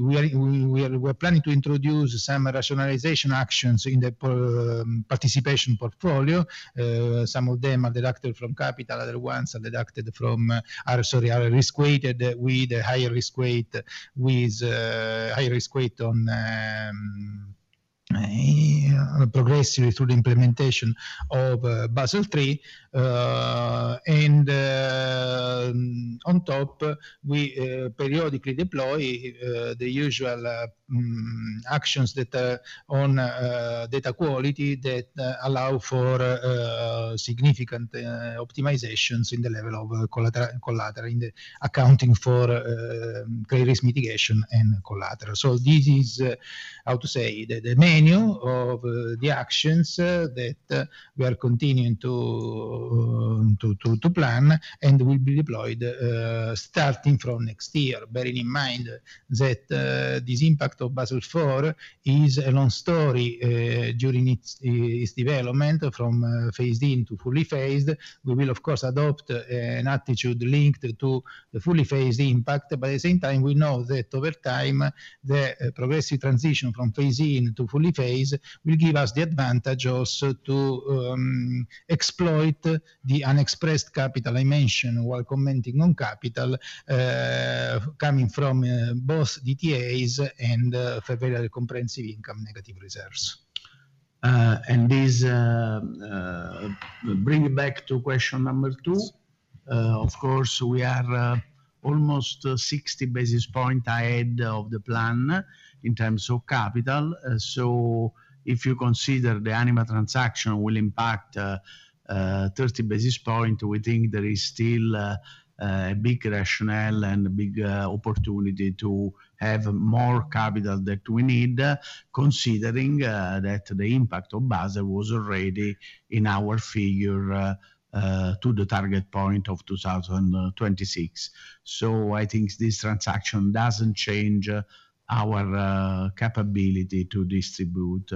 are planning to introduce some rationalization actions in the participation portfolio. Some of them are deducted from capital. Other ones are deducted from, sorry, are risk-weighted with a higher risk weight on progressive implementation of Basel III. And on top, we periodically deploy the usual actions that are on data quality that allow for significant optimizations in the level of collateral, accounting for credit risk mitigation and collateral. So this is, how to say, the menu of the actions that we are continuing to plan and will be deployed starting from next year, bearing in mind that this impact of Basel IV is a long story during its development from phase-in into fully phased. We will, of course, adopt an attitude linked to the fully phased impact. But at the same time, we know that over time, the progressive transition from phase-in into fully phased will give us the advantage also to exploit the unexpressed capital I mentioned while commenting on capital coming from both DTAs and other comprehensive income negative reserves. And this brings me back to question number two. Of course, we are almost 60 basis points ahead of the plan in terms of capital. So if you consider the Anima transaction will impact 30 basis points, we think there is still a big rationale and a big opportunity to have more capital that we need, considering that the impact of Basel was already in our figure to the target point of 2026. So I think this transaction doesn't change our capability to distribute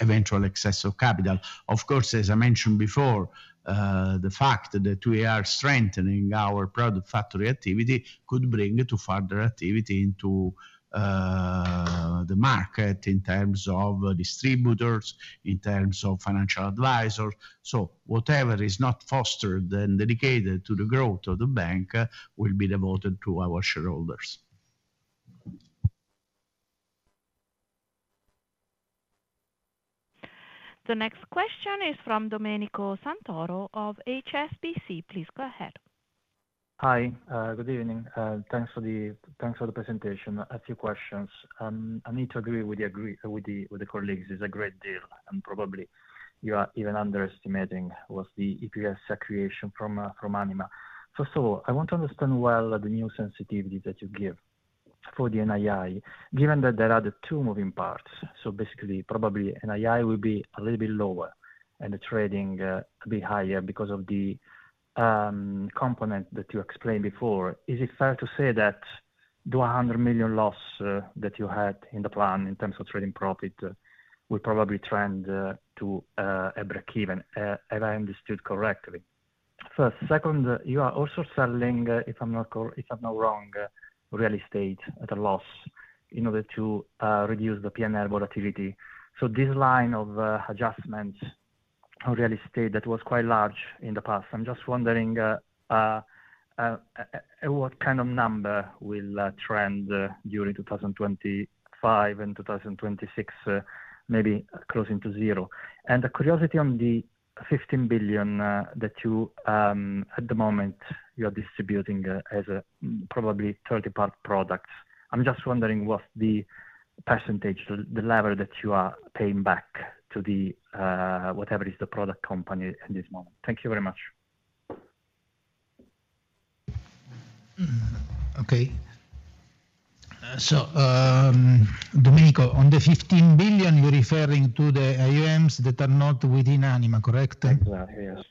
eventual excess of capital. Of course, as I mentioned before, the fact that we are strengthening our product factory activity could bring to further activity into the market in terms of distributors, in terms of financial advisors. So whatever is not fostered and dedicated to the growth of the bank will be devoted to our shareholders. The next question is from Domenico Santoro of HSBC. Please go ahead. Hi. Good evening. Thanks for the presentation. A few questions. I need to agree with the colleagues. It's a great deal. And probably you are even underestimating what's the EPS accretion from Anima. First of all, I want to understand well the new sensitivity that you give for the NII, given that there are the two moving parts. So basically, probably NII will be a little bit lower and the trading a bit higher because of the component that you explained before. Is it fair to say that the 100 million loss that you had in the plan in terms of trading profit will probably trend to a breakeven, if I understood correctly? First, second, you are also selling, if I'm not wrong, real estate at a loss in order to reduce the P&L volatility. So this line of adjustments on real estate that was quite large in the past. I'm just wondering what kind of number will trend during 2025 and 2026, maybe closing to zero, and the curiosity on the 15 billion that you, at the moment, you are distributing as probably third-party products. I'm just wondering what's the percentage, the lever that you are paying back to whatever is the product company at this moment. Thank you very much. Okay. So Domenico, on the 15 billion, you're referring to the AUMs that are not within Anima, correct? Exactly, yes.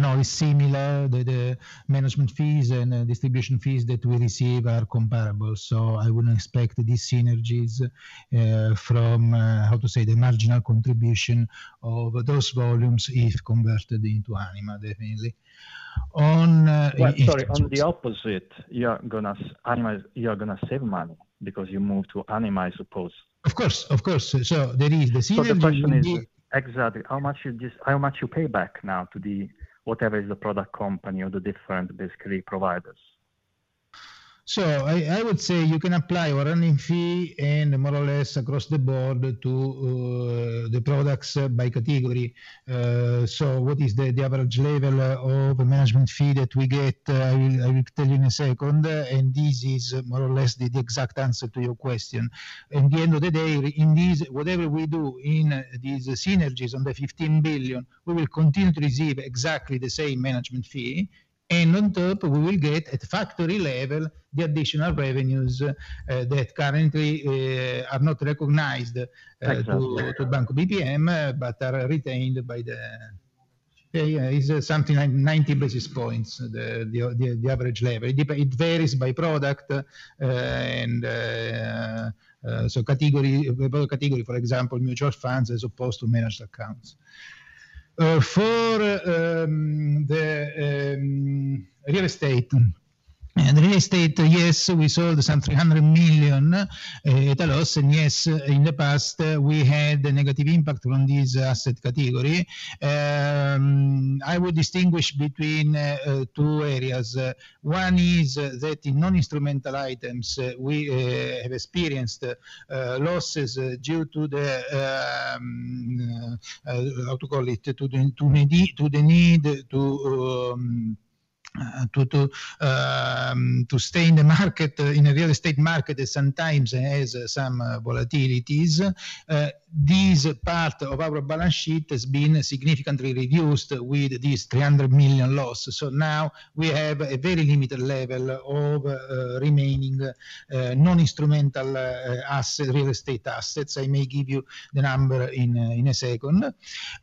No, it's similar. The management fees and distribution fees that we receive are comparable. So I wouldn't expect these synergies from, how to say, the marginal contribution of those volumes if converted into Anima, definitely. Sorry, on the opposite, you are going to save money because you move to Anima, I suppose. Of course, of course. So there is the synergy. So the question is, exactly, how much you pay back now to whatever is the product company or the different basically providers? So I would say you can apply a running fee and more or less across the board to the products by category. So what is the average level of management fee that we get? I will tell you in a second. And this is more or less the exact answer to your question. At the end of the day, in whatever we do in these synergies on the 15 billion, we will continue to receive exactly the same management fee. And on top, we will get at factory level the additional revenues that currently are not recognized to Banco BPM, but are retained by the. Yeah, it's something like 90 basis points, the average level. It varies by product. Category, for example, mutual funds as opposed to managed accounts. For the real estate, yes, we sold some 300 million at a loss. Yes, in the past, we had a negative impact on this asset category. I would distinguish between two areas. One is that in non-instrumental items, we have experienced losses due to the, how to call it, to the need to stay in the market. In the real estate market, sometimes it has some volatilities. This part of our balance sheet has been significantly reduced with this 300 million loss. Now we have a very limited level of remaining non-instrumental real estate assets. I may give you the number in a second.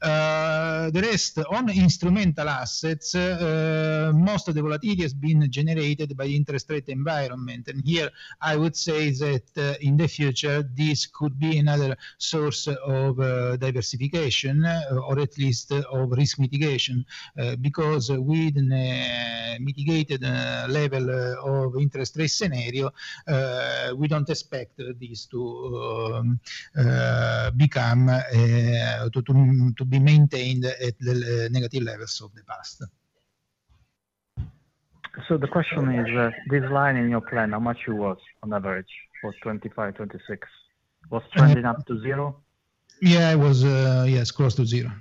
The rest on instrumental assets, most of the volatility has been generated by the interest rate environment. And here, I would say that in the future, this could be another source of diversification, or at least of risk mitigation, because with a mitigated level of interest rate scenario, we don't expect this to become to be maintained at the negative levels of the past. So the question is, this line in your plan, how much it was on average for 2025, 2026? Was trending up to zero? Yeah, it was, yes, close to zero.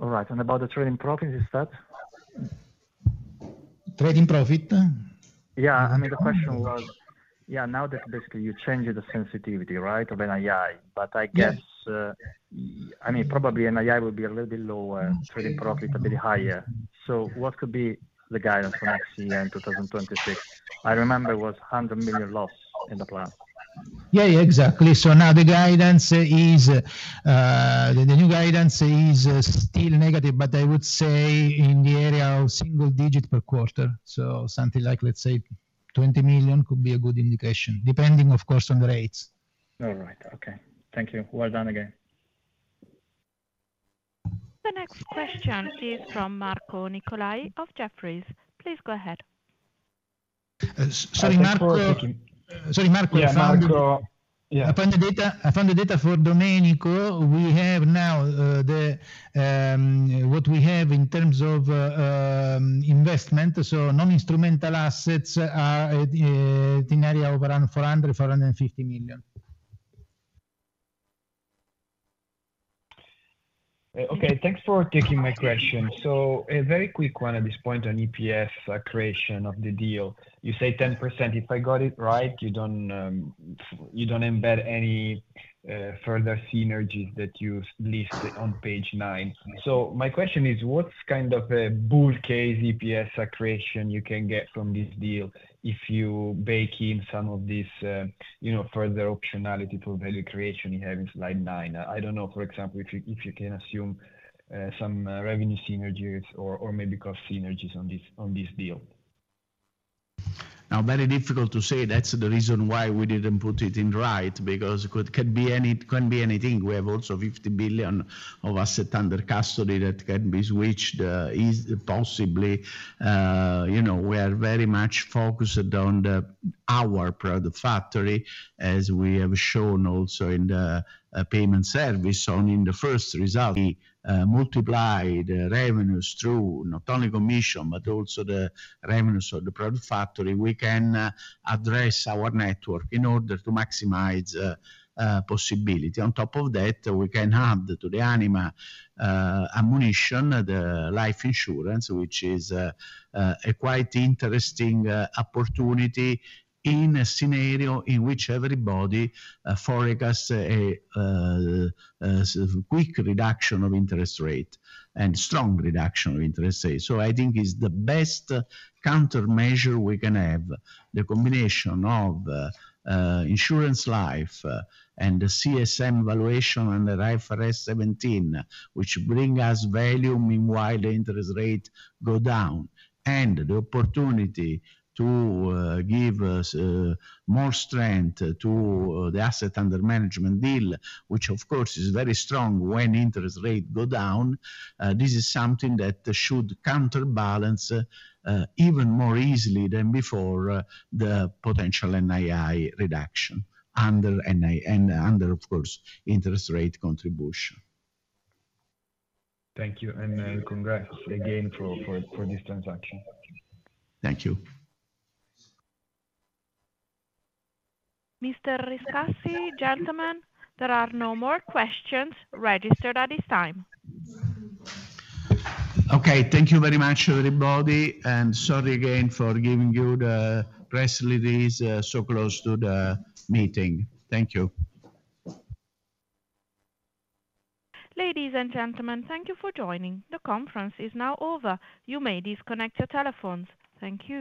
All right. And about the trading profit, is that? Trading profit? Yeah. I mean, the question was, Yeah, now that basically you changed the sensitivity, right, of NII, but I guess, I mean, probably NII will be a little bit lower, trading profit a bit higher. So what could be the guidance for next year and 2026? I remember it was 100 million loss in the plan. Yeah, yeah, exactly. So now the guidance is, the new guidance is still negative, but I would say in the area of single digit per quarter. So something like, let's say, 20 million could be a good indication, depending, of course, on the rates. All right. Okay. Thank you. Well done again. The next question is from Marco Nicolai of Jefferies. Please go ahead. Sorry, Marco. Sorry, Marco. Yeah, Marco. I found the data for Domenico. We have now what we have in terms of investment. So non-instrumental assets are in the area of around EUR 400 million-450 million. Okay. Thanks for taking my question. So a very quick one at this point on EPS accretion of the deal. You say 10%. If I got it right, you don't embed any further synergies that you list on page nine. So my question is, what's kind of a bull case EPS accretion you can get from this deal if you bake in some of these further optionality for value creation you have in slide nine? I don't know, for example, if you can assume some revenue synergies or maybe cost synergies on this deal. Now, very difficult to say. That's the reason why we didn't put it in right, because it can be anything. We have also 50 billion of asset under custody that can be switched possibly. We are very much focused on our product factory, as we have shown also in the payment services on in the first result. We multiply the revenues through not only commission, but also the revenues of the product factory, we can address our network in order to maximize possibility. On top of that, we can add to the Anima ammunition the life insurance, which is a quite interesting opportunity in a scenario in which everybody forecasts a quick reduction of interest rate and strong reduction of interest rate. So I think it's the best countermeasure we can have, the combination of insurance life and the CSM valuation under IFRS 17, which brings us value meanwhile the interest rate goes down, and the opportunity to give more strength to the asset under management deal, which, of course, is very strong when interest rates go down. This is something that should counterbalance even more easily than before the potential NII reduction under, of course, interest rate contribution. Thank you, and congrats again for this transaction. Thank you. Mr. Castagna, gentlemen, there are no more questions registered at this time. Okay. Thank you very much, everybody. And sorry again for giving you the press release so close to the meeting. Thank you. Ladies and gentlemen, thank you for joining. The conference is now over. You may disconnect your telephones. Thank you.